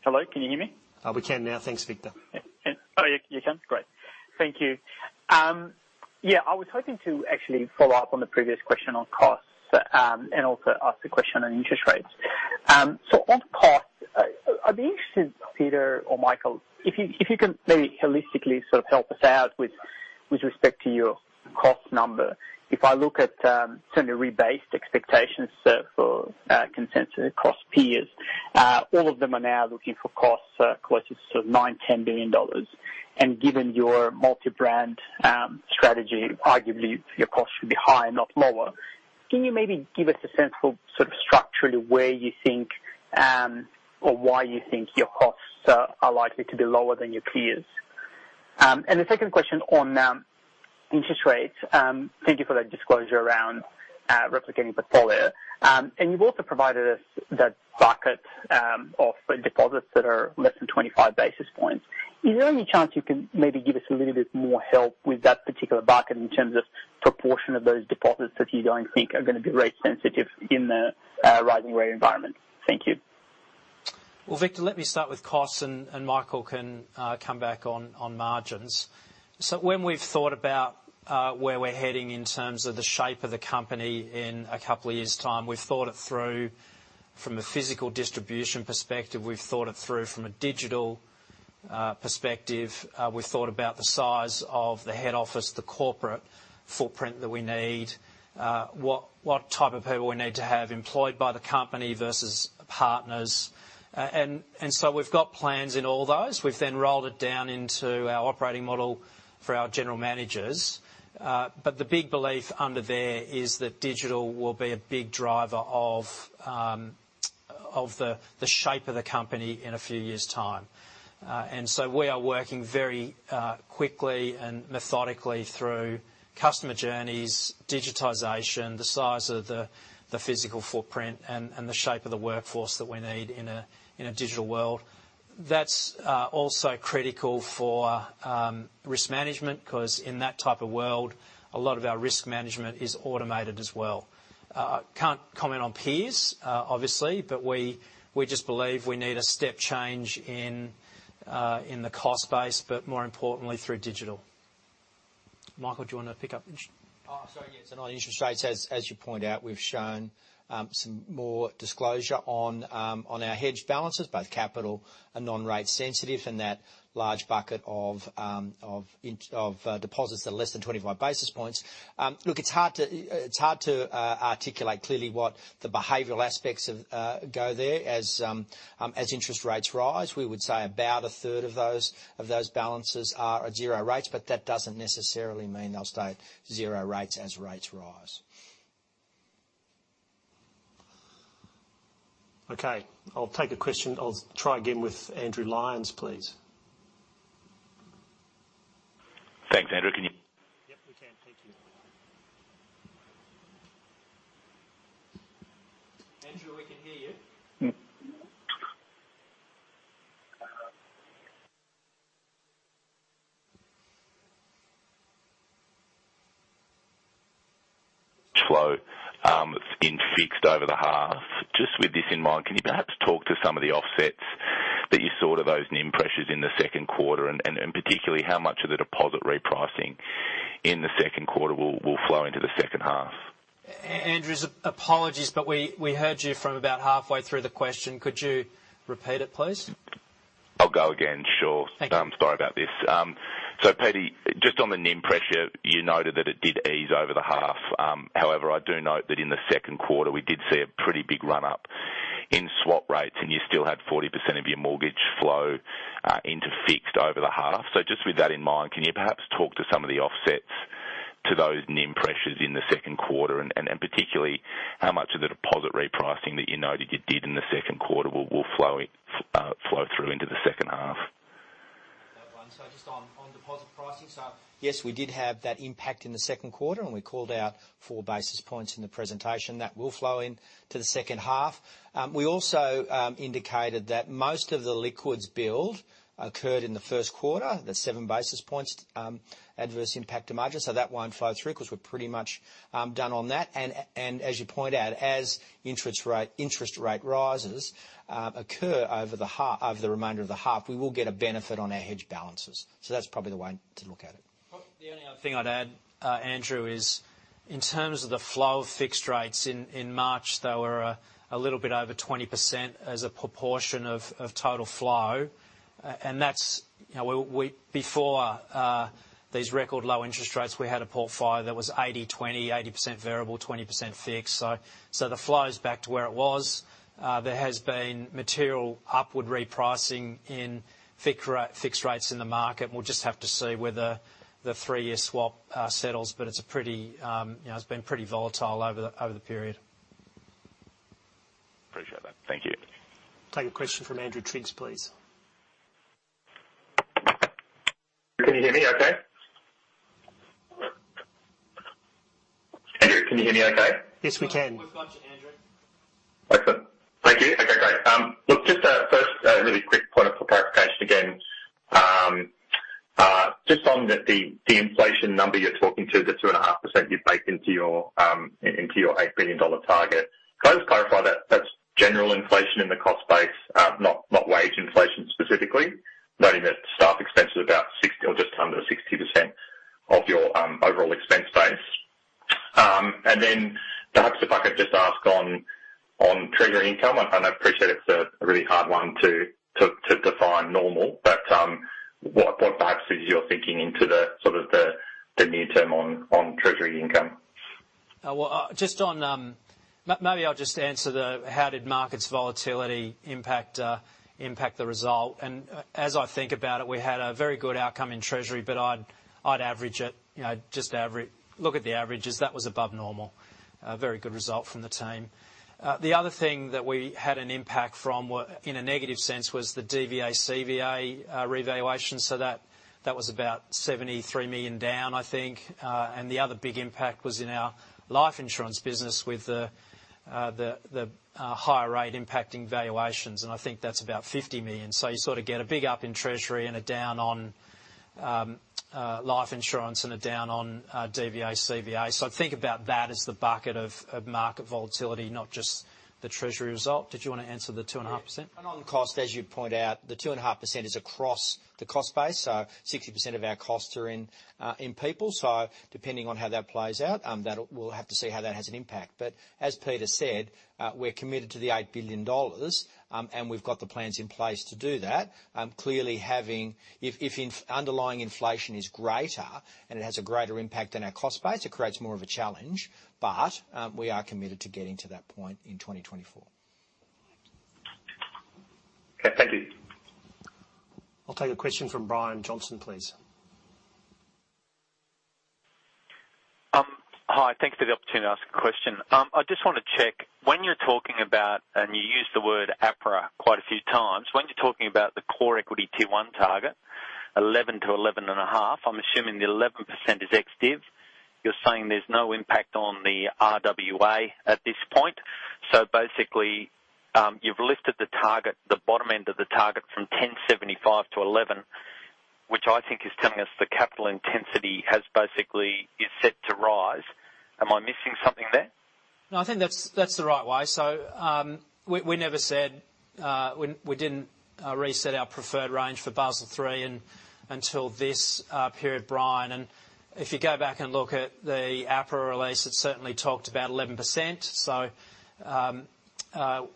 Hello, can you hear me? We can now. Thanks, Victor. Yeah. Oh, you can? Great. Thank you. Yeah, I was hoping to actually follow up on the previous question on costs, and also ask a question on interest rates. So on costs, I'd be interested, Peter or Michael, if you can maybe holistically sort of help us out with respect to your cost number. If I look at certainly rebased expectations for consensus across peers. All of them are now looking for costs closest to 9-10 billion dollars. Given your multi-brand strategy, arguably your costs should be higher, not lower. Can you maybe give us a sense for sort of structurally where you think or why you think your costs are likely to be lower than your peers? The second question on interest rates, thank you for that disclosure around replicating portfolio. You've also provided us that bucket of deposits that are less than 25 basis points. Is there any chance you can maybe give us a little bit more help with that particular bucket in terms of proportion of those deposits that you don't think are gonna be rate sensitive in the rising rate environment? Thank you. Well, Victor, let me start with costs, and Michael can come back on margins. When we've thought about where we're heading in terms of the shape of the company in a couple of years' time, we've thought it through from a physical distribution perspective. We've thought it through from a digital perspective. We've thought about the size of the head office, the corporate footprint that we need, what type of people we need to have employed by the company versus partners. We've got plans in all those. We've then rolled it down into our operating model for our general managers. The big belief under there is that digital will be a big driver of the shape of the company in a few years' time. We are working very quickly and methodically through customer journeys, digitization, the size of the physical footprint, and the shape of the workforce that we need in a digital world. That's also critical for risk management, 'cause in that type of world, a lot of our risk management is automated as well. Can't comment on peers, obviously, but we just believe we need a step change in the cost base, but more importantly through digital. Michael, do you wanna pick up interest? Sorry, yes. On interest rates, as you point out, we've shown some more disclosure on our hedged balances, both capital and non-rate sensitive, and that large bucket of deposits of less than 25 basis points. Look, it's hard to articulate clearly what the behavioral aspects of those as interest rates rise. We would say about a third of those balances are at zero rates, but that doesn't necessarily mean they'll stay zero rates as rates rise. Okay, I'll take a question. I'll try again with Andrew Lyons, please. Thanks. Andrew, can you Yep, we can. Thank you. Andrew, we can hear you. Flow, in fixed over the half. Just with this in mind, can you perhaps talk to some of the offsets that you saw to those NIM pressures in the second quarter, and particularly how much of the deposit repricing in the second quarter will flow into the second half? Andrew, apologies, but we heard you from about halfway through the question. Could you repeat it, please? I'll go again. Sure. Thank you. I'm sorry about this. Peter, just on the NIM pressure, you noted that it did ease over the half. However, I do note that in the second quarter, we did see a pretty big run-up in swap rates, and you still had 40% of your mortgage flow into fixed over the half. Just with that in mind, can you perhaps talk to some of the offsets to those NIM pressures in the second quarter, and particularly how much of the deposit repricing that you noted you did in the second quarter will flow through into the second half? That one. Just on deposit pricing. Yes, we did have that impact in the second quarter, and we called out four basis points in the presentation. That will flow in to the second half. We also indicated that most of the liquids build occurred in the first quarter, the seven basis points adverse impact to margin, so that won't flow through 'cause we're pretty much done on that. And as you point out, as interest rate rises occur over the half, over the remainder of the half, we will get a benefit on our hedge balances. That's probably the way to look at it. The only other thing I'd add, Andrew, is in terms of the flow of fixed rates in March, they were a little bit over 20% as a proportion of total flow. That's, you know, we before these record low interest rates, we had a profile that was 80/20, 80% variable, 20% fixed. The flow is back to where it was. There has been material upward repricing in fixed rates in the market, and we'll just have to see whether the three-year swap settles. It's a pretty, you know, it's been pretty volatile over the period. Appreciate that. Thank you. Take a question from Andrew Triggs, please. Can you hear me okay? Andrew, can you hear me okay? Yes, we can. We've got you, Andrew. Excellent. Thank you. Okay, great. Look, just a first, really quick point for clarification again. Just on the inflation number you're talking to, the 2.5% you've baked into your 8 billion dollar target. Can I just clarify that that's general inflation in the cost base, not wage inflation specifically? Noting that staff expense is about 60% or just under 60% of your overall expense base. And then perhaps if I could just ask on treasury income. I appreciate it's a really hard one to define normal, but what perhaps is your thinking into the sort of the near term on treasury income? Well, just on, maybe I'll just answer how did markets volatility impact the result. As I think about it, we had a very good outcome in treasury, but I'd average it. You know, just average. Look at the averages. That was above normal. Very good result from the team. The other thing that we had an impact from in a negative sense was the DVA/CVA revaluation. That was about 73 million down, I think. The other big impact was in our life insurance business with the higher rate impacting valuations, and I think that's about 50 million. You sort of get a big up in treasury and a down on life insurance and a down on DVA/CVA. I'd think about that as the bucket of market volatility, not just the treasury result. Did you wanna answer the 2.5%? Yeah. On cost, as you point out, the 2.5% is across the cost base. 60% of our costs are in people. Depending on how that plays out, we'll have to see how that has an impact. As Peter said, we're committed to the 8 billion dollars, and we've got the plans in place to do that. Clearly, if underlying inflation is greater and it has a greater impact on our cost base, it creates more of a challenge. We are committed to getting to that point in 2024. Okay, thank you. I'll take a question from Brian Johnson, please. Hi. Thank you for the opportunity to ask a question. I just wanna check, when you're talking about, and you used the word APRA quite a few times, when you're talking about the core equity T1 target, 11%-11.5%, I'm assuming the 11% is ex-div. You're saying there's no impact on the RWA at this point. Basically, you've lifted the target, the bottom end of the target from 10.75% to 11%, which I think is telling us the capital intensity has basically, is set to rise. Am I missing something there? No, I think that's the right way. We never said we didn't reset our preferred range for Basel III until this period, Brian. If you go back and look at the APRA release, it certainly talked about 11%.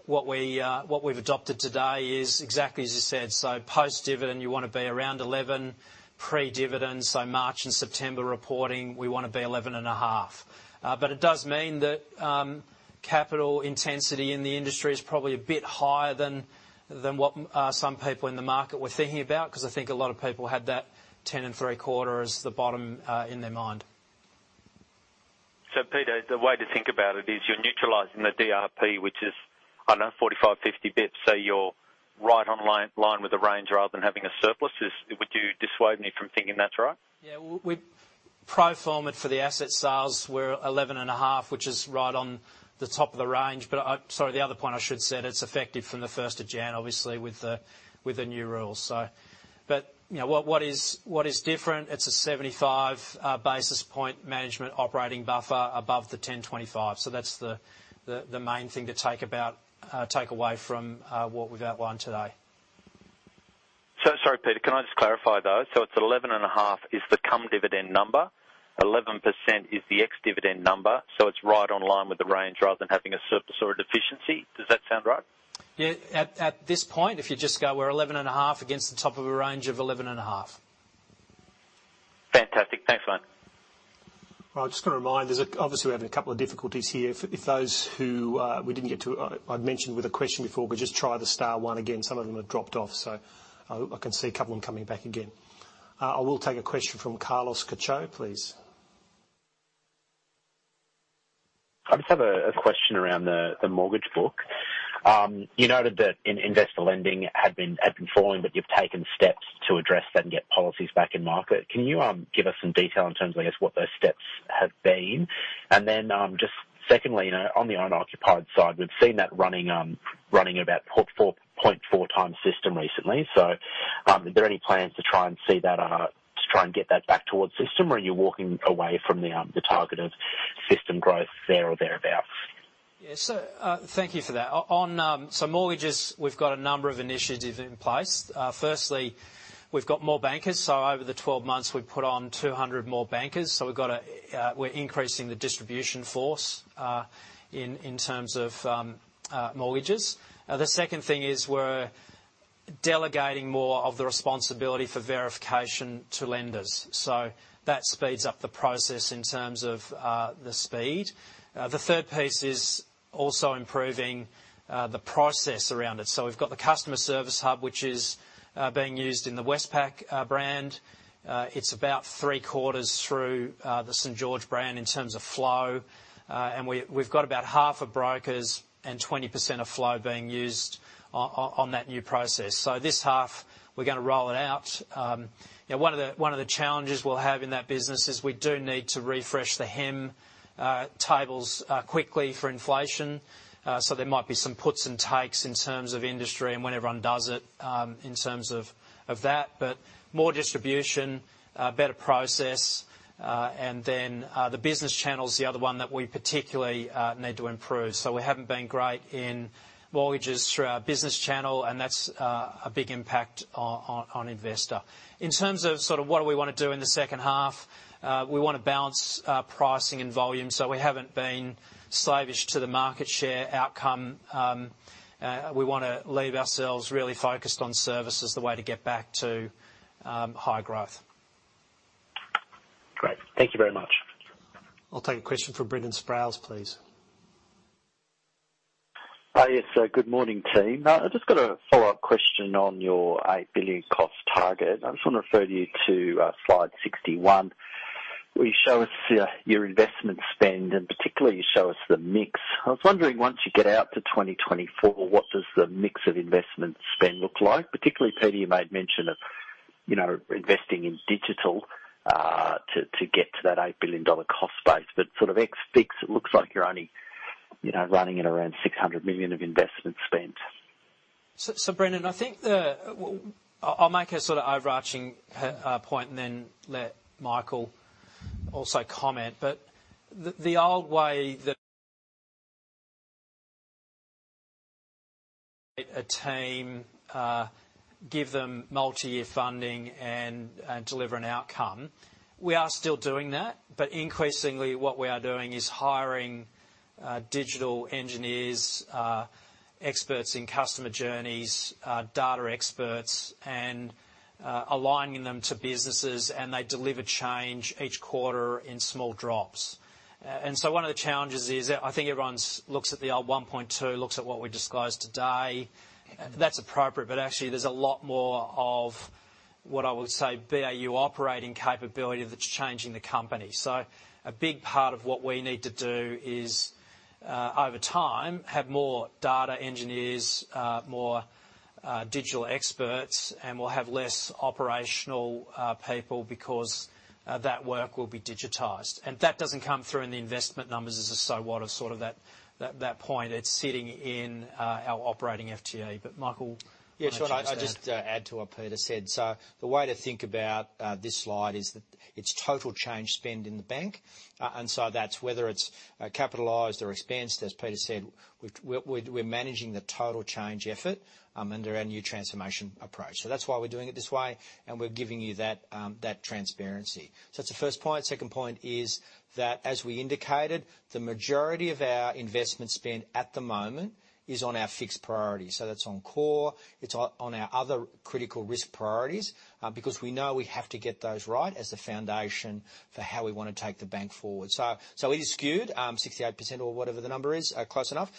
What we've adopted today is exactly as you said. Post-dividend, you wanna be around 11% pre-dividend. March and September reporting, we wanna be 11.5%. But it does mean that capital intensity in the industry is probably a bit higher than what some people in the market were thinking about, 'cause I think a lot of people had that 10.75% as the bottom in their mind. Peter, the way to think about it is you're neutralizing the DRP, which is, I don't know, 45, 50 basis points. You're right in line with the range rather than having a surplus. Would you dissuade me from thinking that's right? Yeah. Pro forma for the asset sales we're 11.5%, which is right on the top of the range. Sorry, the other point I should've said, it's effective from the first of January, obviously with the new rules. You know, what is different, it's a 75 basis point management operating buffer above the 10.25%. That's the main thing to take away from what we've outlined today. Sorry, Peter, can I just clarify though? It's 11.5% is the cum dividend number. 11% is the ex-dividend number. It's right in line with the range rather than having a surplus or a deficiency. Does that sound right? Yeah. At this point, if you just go, we're 11.5% against the top of a range of 11.5%. Fantastic. Thanks, mate. Well, I'm just gonna remind. There's obviously. We're having a couple of difficulties here. If those who we didn't get to, I'd mentioned with a question before, but just try the star one again. Some of them have dropped off, so I hope I can see a couple of them coming back again. I will take a question from Carlos Cacho, please. I just have a question around the mortgage book. You noted that investor lending had been falling, but you've taken steps to address that and get policies back in market. Can you give us some detail in terms of, I guess, what those steps have been? And then, just secondly, you know, on the owner-occupied side, we've seen that running about 4.4x system recently. Are there any plans to try and get that back towards system? Or are you walking away from the target of system growth there or thereabout? Yeah, thank you for that. On mortgages, we've got a number of initiatives in place. Firstly, we've got more bankers. Over the 12 months, we've put on 200 more bankers. We're increasing the distribution force in terms of mortgages. The second thing is we're delegating more of the responsibility for verification to lenders. That speeds up the process in terms of the speed. The third piece is also improving the process around it. We've got the customer service hub, which is being used in the Westpac brand. It's about three-quarters through the St. George brand in terms of flow. We've got about half of brokers and 20% of flow being used on that new process. This half we're gonna roll it out. You know, one of the challenges we'll have in that business is we do need to refresh the HEM tables quickly for inflation. There might be some puts and takes in terms of industry and when everyone does it, in terms of that. More distribution, a better process. The business channel's the other one that we particularly need to improve. We haven't been great in mortgages through our business channel, and that's a big impact on investor. In terms of sort of what do we wanna do in the second half, we wanna balance pricing and volume. We haven't been slavish to the market share outcome. We wanna leave ourselves really focused on service as the way to get back to high growth. Great. Thank you very much. I'll take a question from Brendan Sproules, please. Good morning, team. I just got a follow-up question on your 8 billion cost target. I just want to refer you to slide 61, where you show us your investment spend, and particularly, you show us the mix. I was wondering, once you get out to 2024, what does the mix of investment spend look like? Particularly, Peter, you made mention of, you know, investing in digital, to get to that 8 billion dollar cost base. But sort of ex FX, it looks like you're only, you know, running at around 600 million of investment spend. Brendan, I think I'll make a sort of overarching point and then let Michael also comment. The old way that a team give them multi-year funding and deliver an outcome. We are still doing that, but increasingly, what we are doing is hiring digital engineers, experts in customer journeys, data experts, and aligning them to businesses, and they deliver change each quarter in small drops. One of the challenges is that I think everyone's looks at the old 1.2, looks at what we disclosed today. That's appropriate, but actually, there's a lot more of what I would say BAU operating capability that's changing the company. A big part of what we need to do is, over time, have more data engineers, more digital experts, and we'll have less operational people because that work will be digitized. That doesn't come through in the investment numbers as a so what of sorts at that point. It's sitting in our operating FTE. Michael. I just add to what Peter said. The way to think about this slide is that it's total change spend in the bank. That's whether it's capitalized or expensed, as Peter said. We're managing the total change effort under our new transformation approach. That's why we're doing it this way, and we're giving you that transparency. That's the first point. Second point is that as we indicated, the majority of our investment spend at the moment is on our fixed priority. That's on CORE. It's on our other critical risk priorities, because we know we have to get those right as the foundation for how we wanna take the bank forward. It is skewed 68% or whatever the number is, close enough,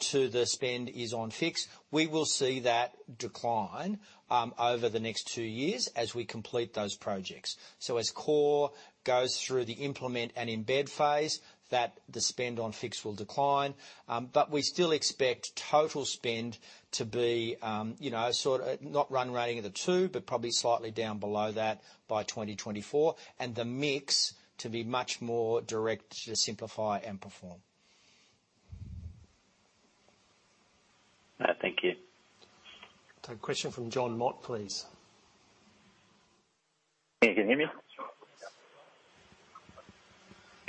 to the spend is on fixed. We will see that decline over the next two years as we complete those projects. As CORE goes through the implement and embed phase, that the spend on fixed will decline. We still expect total spend to be, you know, sort of not run-rate at 200, but probably slightly down below that by 2024, and the mix to be much more direct to simplify and perform. Thank you. Take a question from Jonathan Mott, please. Can you hear me?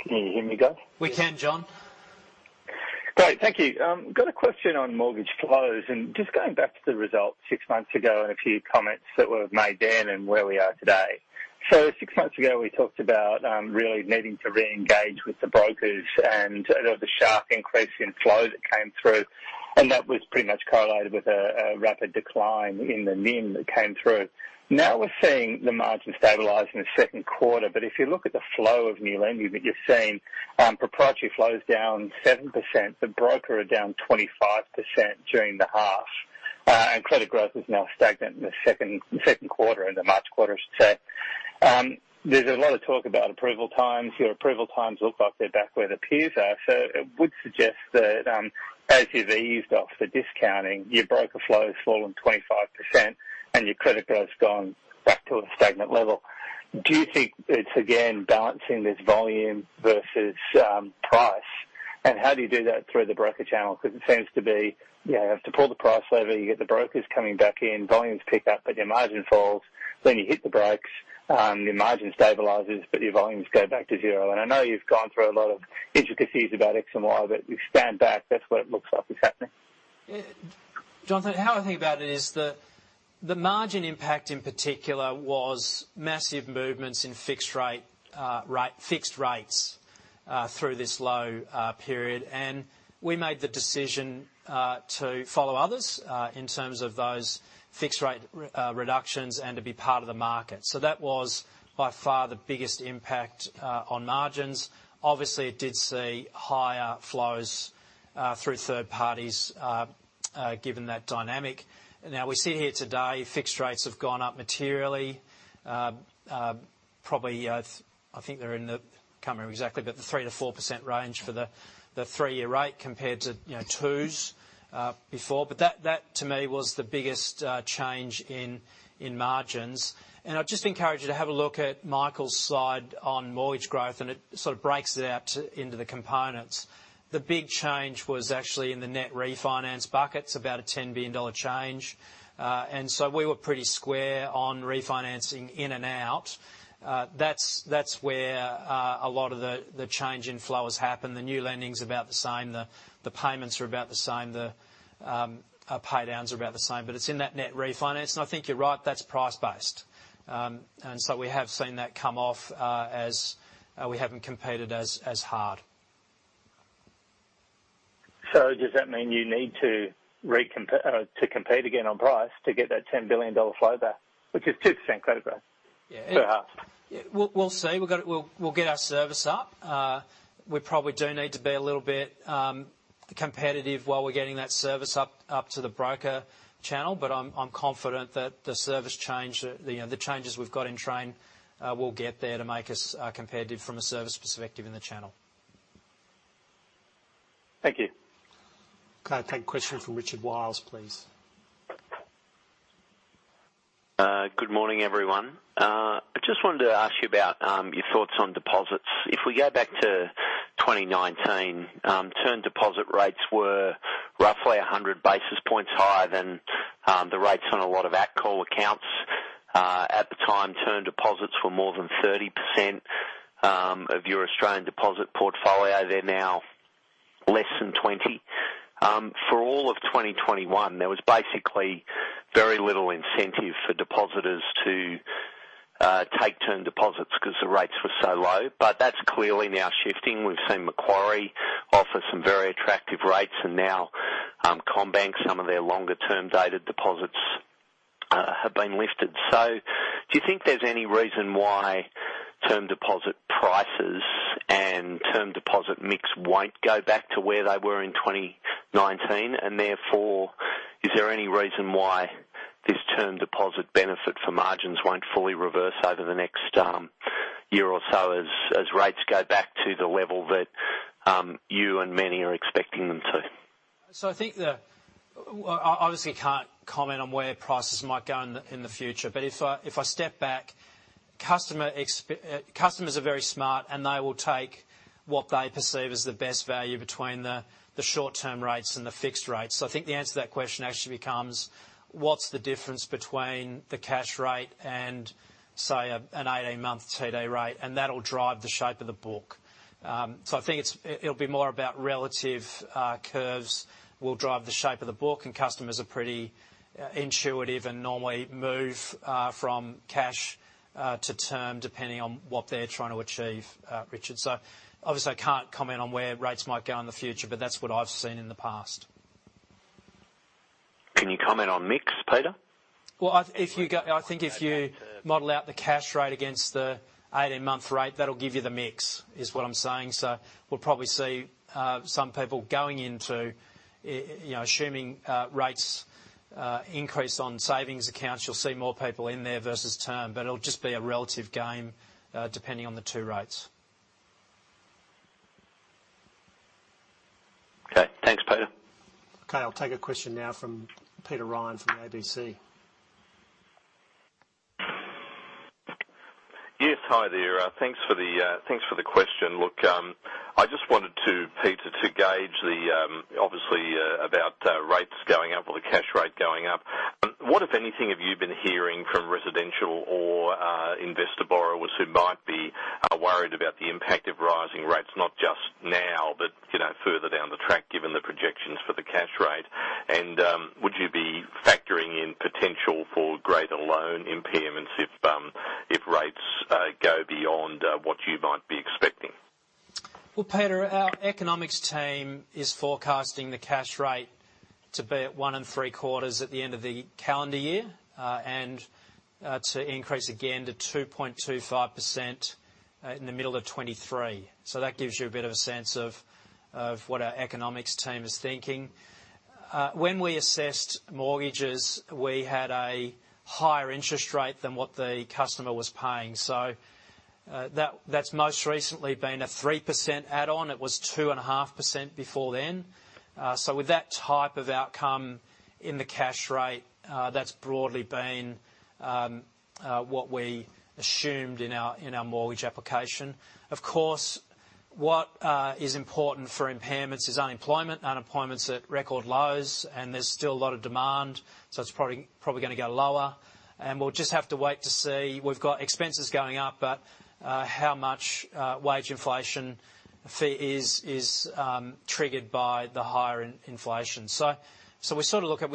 Can you hear me, guys? We can, John. Great. Thank you. Got a question on mortgage flows and just going back to the results six months ago and a few comments that were made then and where we are today. Six months ago, we talked about really needing to reengage with the brokers and the sharp increase in flow that came through, and that was pretty much correlated with a rapid decline in the NIM that came through. Now we're seeing the margin stabilize in the second quarter, but if you look at the flow of new lending that you're seeing, proprietary flow is down 7%, the brokers are down 25% during the half. And credit growth is now stagnant in the second quarter, in the March quarter, I should say. There's a lot of talk about approval times. Your approval times look like they're back where their peers are. It would suggest that, as you've eased off the discounting, your broker flow has fallen 25% and your credit growth's gone back to a stagnant level. Do you think it's again balancing this volume versus price? And how do you do that through the broker channel? Because it seems to be, you have to pull the price lever, you get the brokers coming back in, volumes pick up, but your margin falls. Then you hit the brakes, your margin stabilizes, but your volumes go back to zero. I know you've gone through a lot of intricacies about X and Y, but if you stand back, that's what it looks like is happening. John, how I think about it is the margin impact in particular was massive movements in fixed rates through this low period. We made the decision to follow others in terms of those fixed rate reductions and to be part of the market. That was by far the biggest impact on margins. Obviously, it did see higher flows through third parties given that dynamic. Now, we sit here today, fixed rates have gone up materially, probably, I think they're in the, can't remember exactly, but the 3%-4% range for the three-year rate compared to, you know, 2s before. That to me was the biggest change in margins. I just encourage you to have a look at Michael's slide on mortgage growth, and it sort of breaks it out into the components. The big change was actually in the net refinance buckets, about a 10 billion dollar change. We were pretty square on refinancing in and out. That's where a lot of the change in flow has happened. The new lending's about the same, the payments are about the same, the pay downs are about the same. It's in that net refinance, and I think you're right, that's price-based. We have seen that come off, as we haven't competed as hard. Does that mean you need to compete again on price to get that 10 billion dollar flow back, which is 2% credit growth? Yeah. Perhaps. We'll see. We'll get our service up. We probably do need to be a little bit competitive while we're getting that service up to the broker channel, but I'm confident that the changes we've got in train, you know, will get there to make us competitive from a service perspective in the channel. Thank you. Can I take a question from Richard Wiles, please? Good morning, everyone. I just wanted to ask you about your thoughts on deposits. If we go back to 2019, term deposit rates were roughly 100 basis points higher than the rates on a lot of at-call accounts. At the time, term deposits were more than 30% of your Australian deposit portfolio. They're now less than 20%. For all of 2021, there was basically very little incentive for depositors to take term deposits because the rates were so low. But that's clearly now shifting. We've seen Macquarie offer some very attractive rates, and now, CommBank, some of their longer term dated deposits have been lifted. Do you think there's any reason why term deposit prices and term deposit mix won't go back to where they were in 2019? Is there any reason why this term deposit benefit for margins won't fully reverse over the next year or so as rates go back to the level that you and many are expecting them to? I think. Well, I obviously can't comment on where prices might go in the future. If I step back, customers are very smart, and they will take what they perceive as the best value between the short-term rates and the fixed rates. I think the answer to that question actually becomes what's the difference between the cash rate and, say, a 18-month TD rate, and that'll drive the shape of the book. I think it's, it'll be more about relative curves will drive the shape of the book, and customers are pretty intuitive and normally move from cash to term, depending on what they're trying to achieve, Richard. Obviously I can't comment on where rates might go in the future, but that's what I've seen in the past. Can you comment on mix, Peter? Well, if you go, I think if you model out the cash rate against the 18-month rate, that'll give you the mix, is what I'm saying. We'll probably see some people going into you know assuming rates increase on savings accounts, you'll see more people in there versus term, but it'll just be a relative game depending on the two rates. Okay. Thanks, Peter. Okay, I'll take a question now from Peter Ryan from the ABC. Yes, hi there. Thanks for the question. Look, I just wanted to, Peter, to gauge the, obviously, about rates going up or the cash rate going up. What, if anything, have you been hearing from residential or, investor borrowers who might be, worried about the impact of rising rates, not just now, but, you know, further down the track, given the projections for the cash rate? Would you be factoring in potential for greater loan impairments if rates go beyond what you might be expecting? Well, Peter, our economics team is forecasting the cash rate to be at 1.75% at the end of the calendar year, and to increase again to 2.25% in the middle of 2023. That gives you a bit of a sense of what our economics team is thinking. When we assessed mortgages, we had a higher interest rate than what the customer was paying. That's most recently been a 3% add on. It was 2.5% before then. With that type of outcome in the cash rate, that's broadly been what we assumed in our mortgage application. Of course, what is important for impairments is unemployment. Unemployment's at record lows, and there's still a lot of demand, so it's probably gonna go lower. We'll just have to wait to see. We've got expenses going up, but how much wage inflation FTE is triggered by the higher inflation. We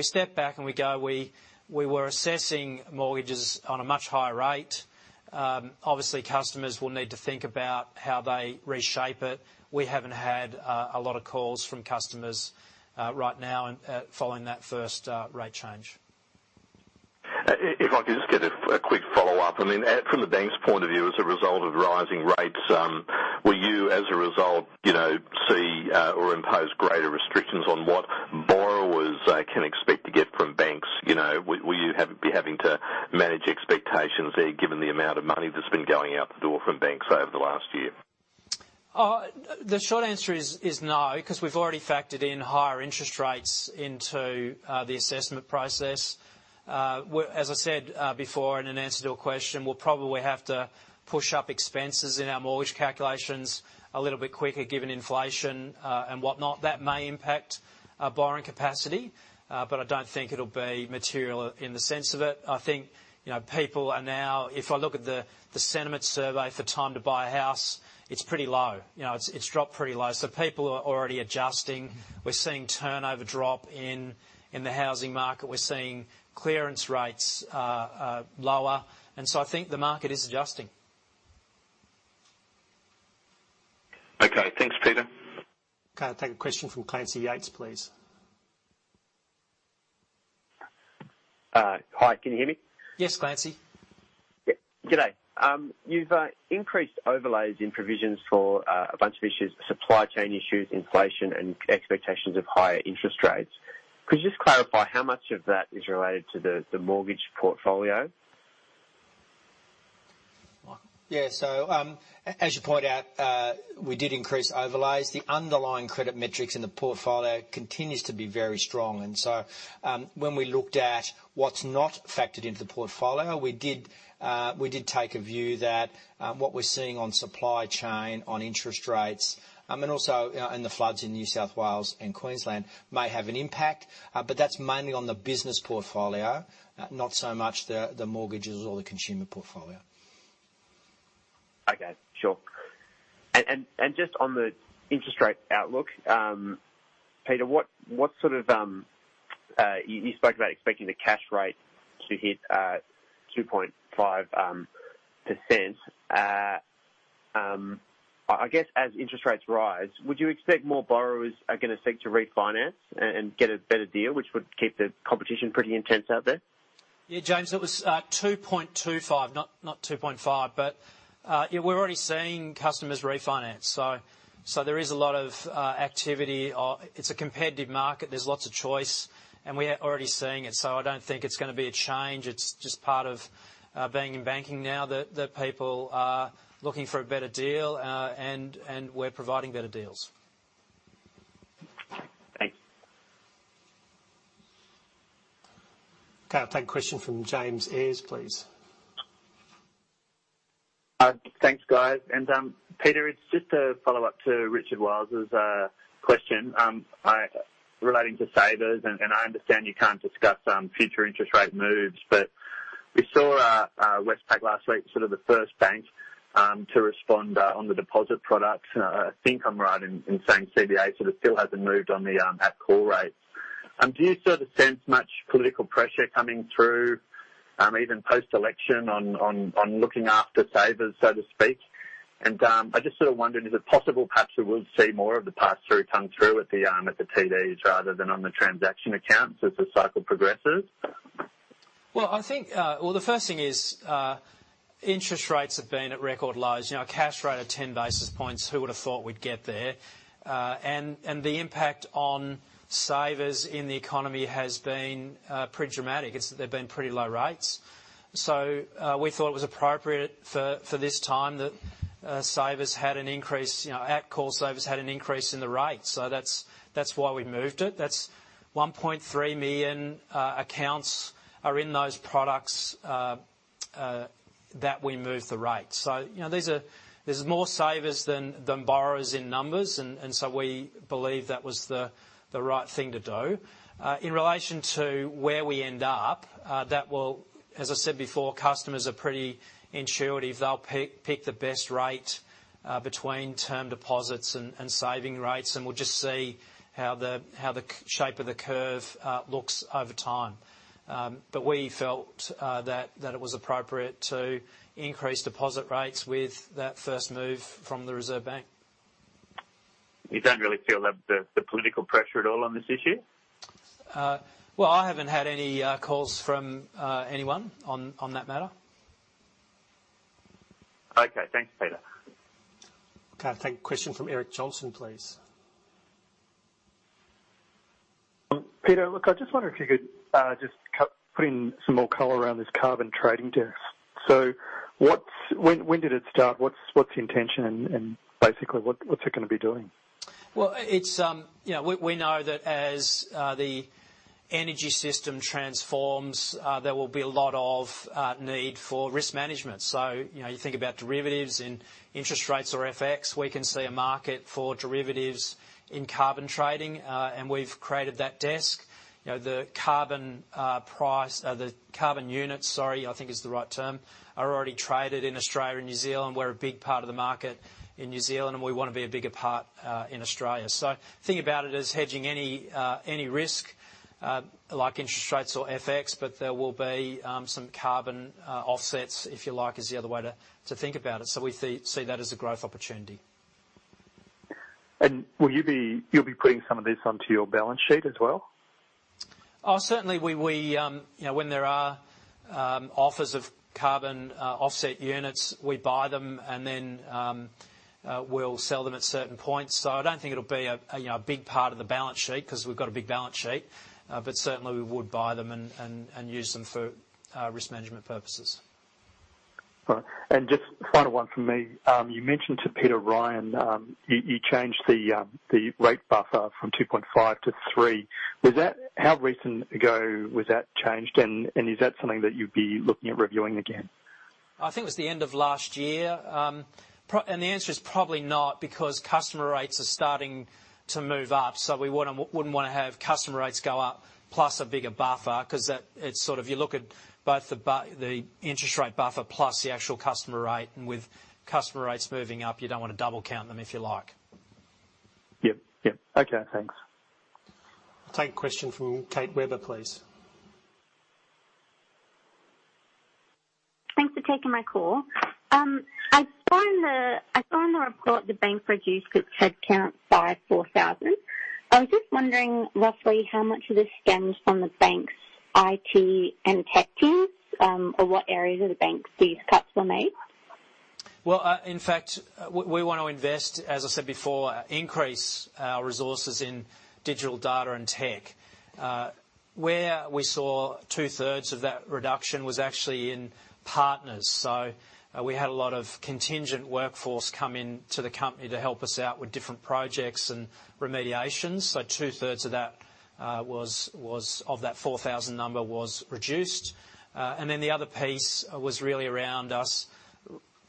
step back and we go, we were assessing mortgages on a much higher rate. Obviously, customers will need to think about how they reshape it. We haven't had a lot of calls from customers right now and following that first rate change. If I could just get a quick follow-up. I mean, from the bank's point of view, as a result of rising rates, will you, as a result, you know, see or impose greater restrictions on what borrowers can expect to get from banks, you know? Will you be having to manage expectations there, given the amount of money that's been going out the door from banks over the last year? The short answer is no, 'cause we've already factored in higher interest rates into the assessment process. We're as I said before in an answer to a question, we'll probably have to push up expenses in our mortgage calculations a little bit quicker, given inflation, and whatnot. That may impact borrowing capacity, but I don't think it'll be material in the sense of it. I think, you know, people are now. If I look at the sentiment survey for time to buy a house, it's pretty low. You know, it's dropped pretty low. People are already adjusting. We're seeing turnover drop in the housing market. We're seeing clearance rates lower. I think the market is adjusting. Okay, thanks, Peter. Okay, I'll take a question from Clancy Yeates, please. Hi, can you hear me? Yes, Clancy. Yeah. Good day. You've increased overlays in provisions for a bunch of issues, supply chain issues, inflation, and expectations of higher interest rates. Could you just clarify how much of that is related to the mortgage portfolio? Mark? Yeah. As you point out, we did increase overlays. The underlying credit metrics in the portfolio continues to be very strong, and when we looked at what's not factored into the portfolio, we did take a view that what we're seeing on supply chain, on interest rates, and also in the floods in New South Wales and Queensland may have an impact. That's mainly on the business portfolio, not so much the mortgages or the consumer portfolio. Okay. Sure. Just on the interest rate outlook, Peter, what sort of you spoke about expecting the cash rate to hit 2.5%. I guess as interest rates rise, would you expect more borrowers are gonna seek to refinance and get a better deal, which would keep the competition pretty intense out there? Yeah, James, it was 2.25%, not 2.5%. Yeah, we're already seeing customers refinance, so there is a lot of activity. It's a competitive market. There's lots of choice, and we are already seeing it, so I don't think it's gonna be a change. It's just part of being in banking now that people are looking for a better deal, and we're providing better deals. Thanks. Okay, I'll take a question from James Ellis, please. Thanks, guys. Peter, it's just a follow-up to Richard Wiles' question. Relating to savers, I understand you can't discuss future interest rate moves. We saw Westpac last week, sort of the first bank to respond on the deposit products. I think I'm right in saying CBA sort of still hasn't moved on the at-call rate. Do you sort of sense much political pressure coming through, even post-election on looking after savers, so to speak? I just sort of wondered, is it possible perhaps we will see more of the pass-through come through at the TDs rather than on the transaction accounts as the cycle progresses? Well, the first thing is, interest rates have been at record lows. You know, a cash rate of 10 basis points, who would've thought we'd get there? The impact on savers in the economy has been pretty dramatic. They've been pretty low rates. We thought it was appropriate for this time that savers had an increase, you know, at-call savers had an increase in the rate. That's why we moved it. That's 1.3 million accounts are in those products that we moved the rate. You know, there's more savers than borrowers in numbers and so we believe that was the right thing to do. In relation to where we end up, that will. As I said before, customers are pretty intuitive. They'll pick the best rate between term deposits and savings rates, and we'll just see how the shape of the curve looks over time. We felt that it was appropriate to increase deposit rates with that first move from the Reserve Bank. You don't really feel the political pressure at all on this issue? Well, I haven't had any calls from anyone on that matter. Okay. Thanks, Peter. Okay, I'll take a question from Eric Johnston, please. Peter, look, I just wonder if you could just put in some more color around this carbon trading desk. When did it start? What's the intention and basically what's it gonna be doing? Well, it's, you know, we know that as the energy system transforms, there will be a lot of need for risk management. You know, you think about derivatives and interest rates or FX, we can see a market for derivatives in carbon trading, and we've created that desk. You know, the carbon units, sorry, I think is the right term, are already traded in Australia and New Zealand. We're a big part of the market in New Zealand, and we wanna be a bigger part in Australia. Think about it as hedging any risk like interest rates or FX, but there will be some carbon offsets, if you like, is the other way to think about it. We see that as a growth opportunity. Will you be putting some of this onto your balance sheet as well? Certainly we, you know, when there are offers of carbon offset units, we buy them, and then we'll sell them at certain points. I don't think it'll be a you know, a big part of the balance sheet, 'cause we've got a big balance sheet. Certainly we would buy them and use them for risk management purposes. All right. Just final one from me. You mentioned to Peter Ryan, you changed the rate buffer from 2.5-3. How recent ago was that changed, and is that something that you'd be looking at reviewing again? I think it was the end of last year. The answer is probably not, because customer rates are starting to move up, so we wouldn't wanna have customer rates go up plus a bigger buffer, 'cause that, it's sort of you look at both the interest rate buffer plus the actual customer rate, and with customer rates moving up, you don't wanna double count them, if you like. Yep. Okay, thanks. I'll take a question from Kate Weber, please. Thanks for taking my call. I saw in the report the bank reduced group headcount by 4,000. I was just wondering, roughly how much of this stems from the bank's IT and tech teams, or what areas of the bank these cuts were made? Well, in fact, we wanna invest, as I said before, increase our resources in digital data and tech. Where we saw two-thirds of that reduction was actually in partners. We had a lot of contingent workforce come into the company to help us out with different projects and remediations. Two-thirds of that was of that 4,000 number was reduced. The other piece was really around us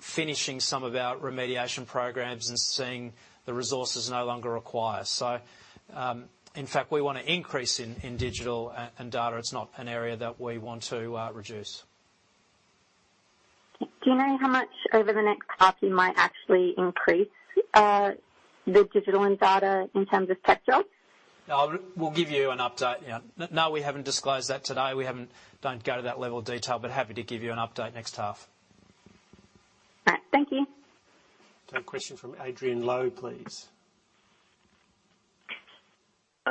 finishing some of our remediation programs and seeing the resources no longer required. In fact, we wanna increase in digital and data. It's not an area that we want to reduce. Do you know how much over the next half you might actually increase, the digital and data in terms of tech jobs? We'll give you an update, yeah. No, we haven't disclosed that today. We don't go to that level of detail, but happy to give you an update next half. All right. Thank you. We have a question from Adrian Lowe, please.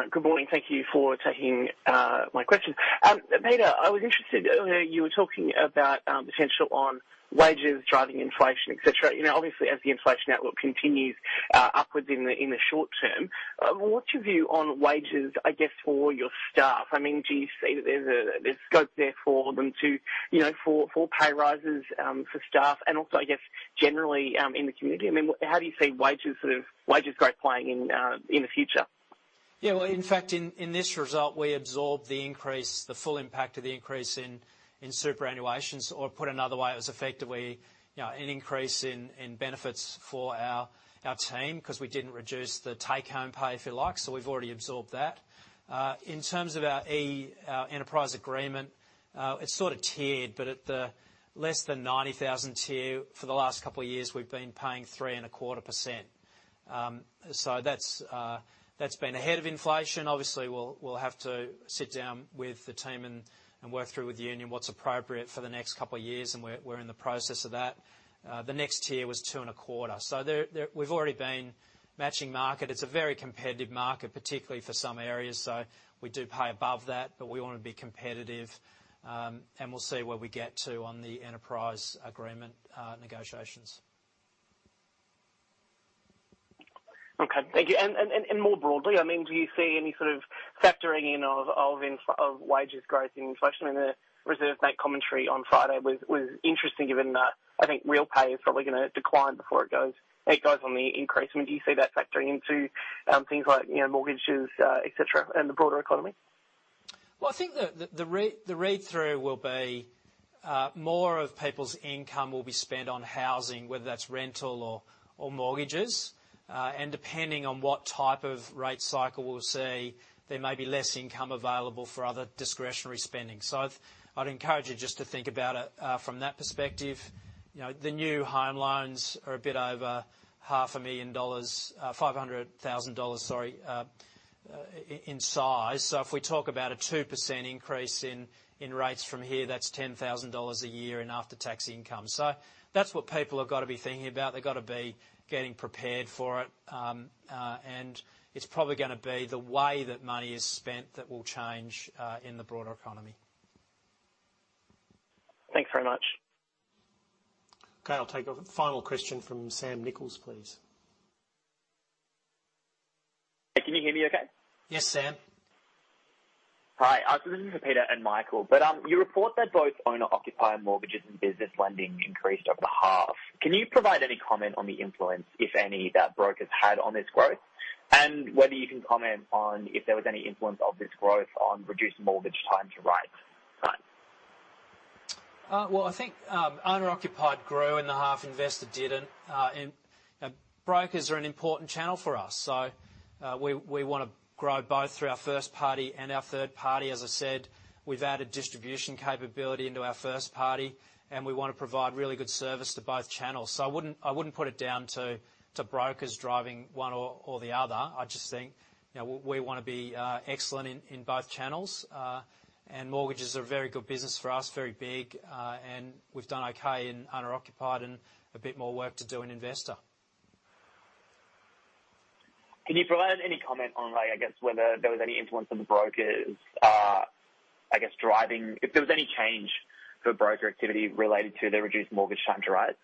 Good morning. Thank you for taking my question. Peter, I was interested, earlier you were talking about potential on wages driving inflation, et cetera. You know, obviously, as the inflation outlook continues upwards in the short term, what's your view on wages, I guess, for your staff? I mean, do you see that there's scope there for them to, you know, for pay rises for staff, and also, I guess, generally in the community? I mean, how do you see wages, sort of, wages growth playing in the future? Yeah. Well, in fact, in this result, we absorbed the full impact of the increase in superannuation. Or put another way, it was effectively, you know, an increase in benefits for our team, 'cause we didn't reduce the take-home pay, if you like. We've already absorbed that. In terms of our enterprise agreement, it's sort of tiered, but at the less than 90,000 tier for the last couple of years, we've been paying 3.25%. That's been ahead of inflation. Obviously, we'll have to sit down with the team and work through with the union what's appropriate for the next couple of years, and we're in the process of that. The next tier was 2.25. There we've already been matching market. It's a very competitive market, particularly for some areas. We do pay above that, but we wanna be competitive, and we'll see where we get to on the enterprise agreement negotiations. Okay. Thank you. More broadly, I mean, do you see any sort of factoring in of inflation and wages growth? I mean, the Reserve Bank commentary on Friday was interesting, given that I think real pay is probably gonna decline before it goes on the increase. I mean, do you see that factoring into things like, you know, mortgages, et cetera, and the broader economy? Well, I think the read-through will be more of people's income will be spent on housing, whether that's rental or mortgages. Depending on what type of rate cycle we'll see, there may be less income available for other discretionary spending. I'd encourage you just to think about it from that perspective. You know, the new home loans are a bit over AUD half a million dollars, 500,000 dollars, sorry, in size. If we talk about a 2% increase in rates from here, that's 10,000 dollars a year in after-tax income. That's what people have gotta be thinking about. They've gotta be getting prepared for it. It's probably gonna be the way that money is spent that will change in the broader economy. Thanks very much. Okay, I'll take a final question from Sam Nichols, please. Can you hear me okay? Yes, Sam. Hi. This is for Peter and Michael, but you report that both owner-occupied mortgages and business lending increased over half. Can you provide any comment on the influence, if any, that brokers had on this growth? Whether you can comment on if there was any influence of this growth on reduced mortgage time to reprice? Thanks. Well, I think owner-occupied grew and the half investor didn't. Brokers are an important channel for us, so we wanna grow both through our first party and our third party. As I said, we've added distribution capability into our first party, and we wanna provide really good service to both channels. I wouldn't put it down to brokers driving one or the other. I just think, you know, we wanna be excellent in both channels. Mortgages are a very good business for us, very big. We've done okay in owner-occupied and a bit more work to do in investor. Can you provide any comment on, like, I guess whether there was any influence on the brokers, I guess if there was any change in broker activity related to the reduced mortgage time to reprice?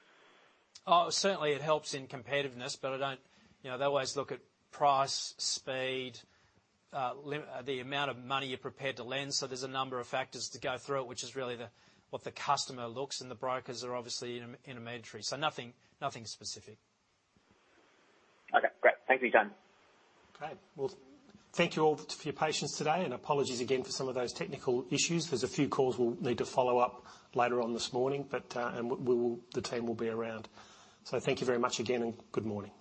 Oh, certainly it helps in competitiveness, but I don't. You know, they always look at price, speed, the amount of money you're prepared to lend, so there's a number of factors to go through, which is really what the customer looks, and the brokers are obviously an intermediary. Nothing specific. Okay, great. Thank you, Dan. Well, thank you all for your patience today, and apologies again for some of those technical issues. There's a few calls we'll need to follow up later on this morning, but the team will be around. Thank you very much again, and good morning.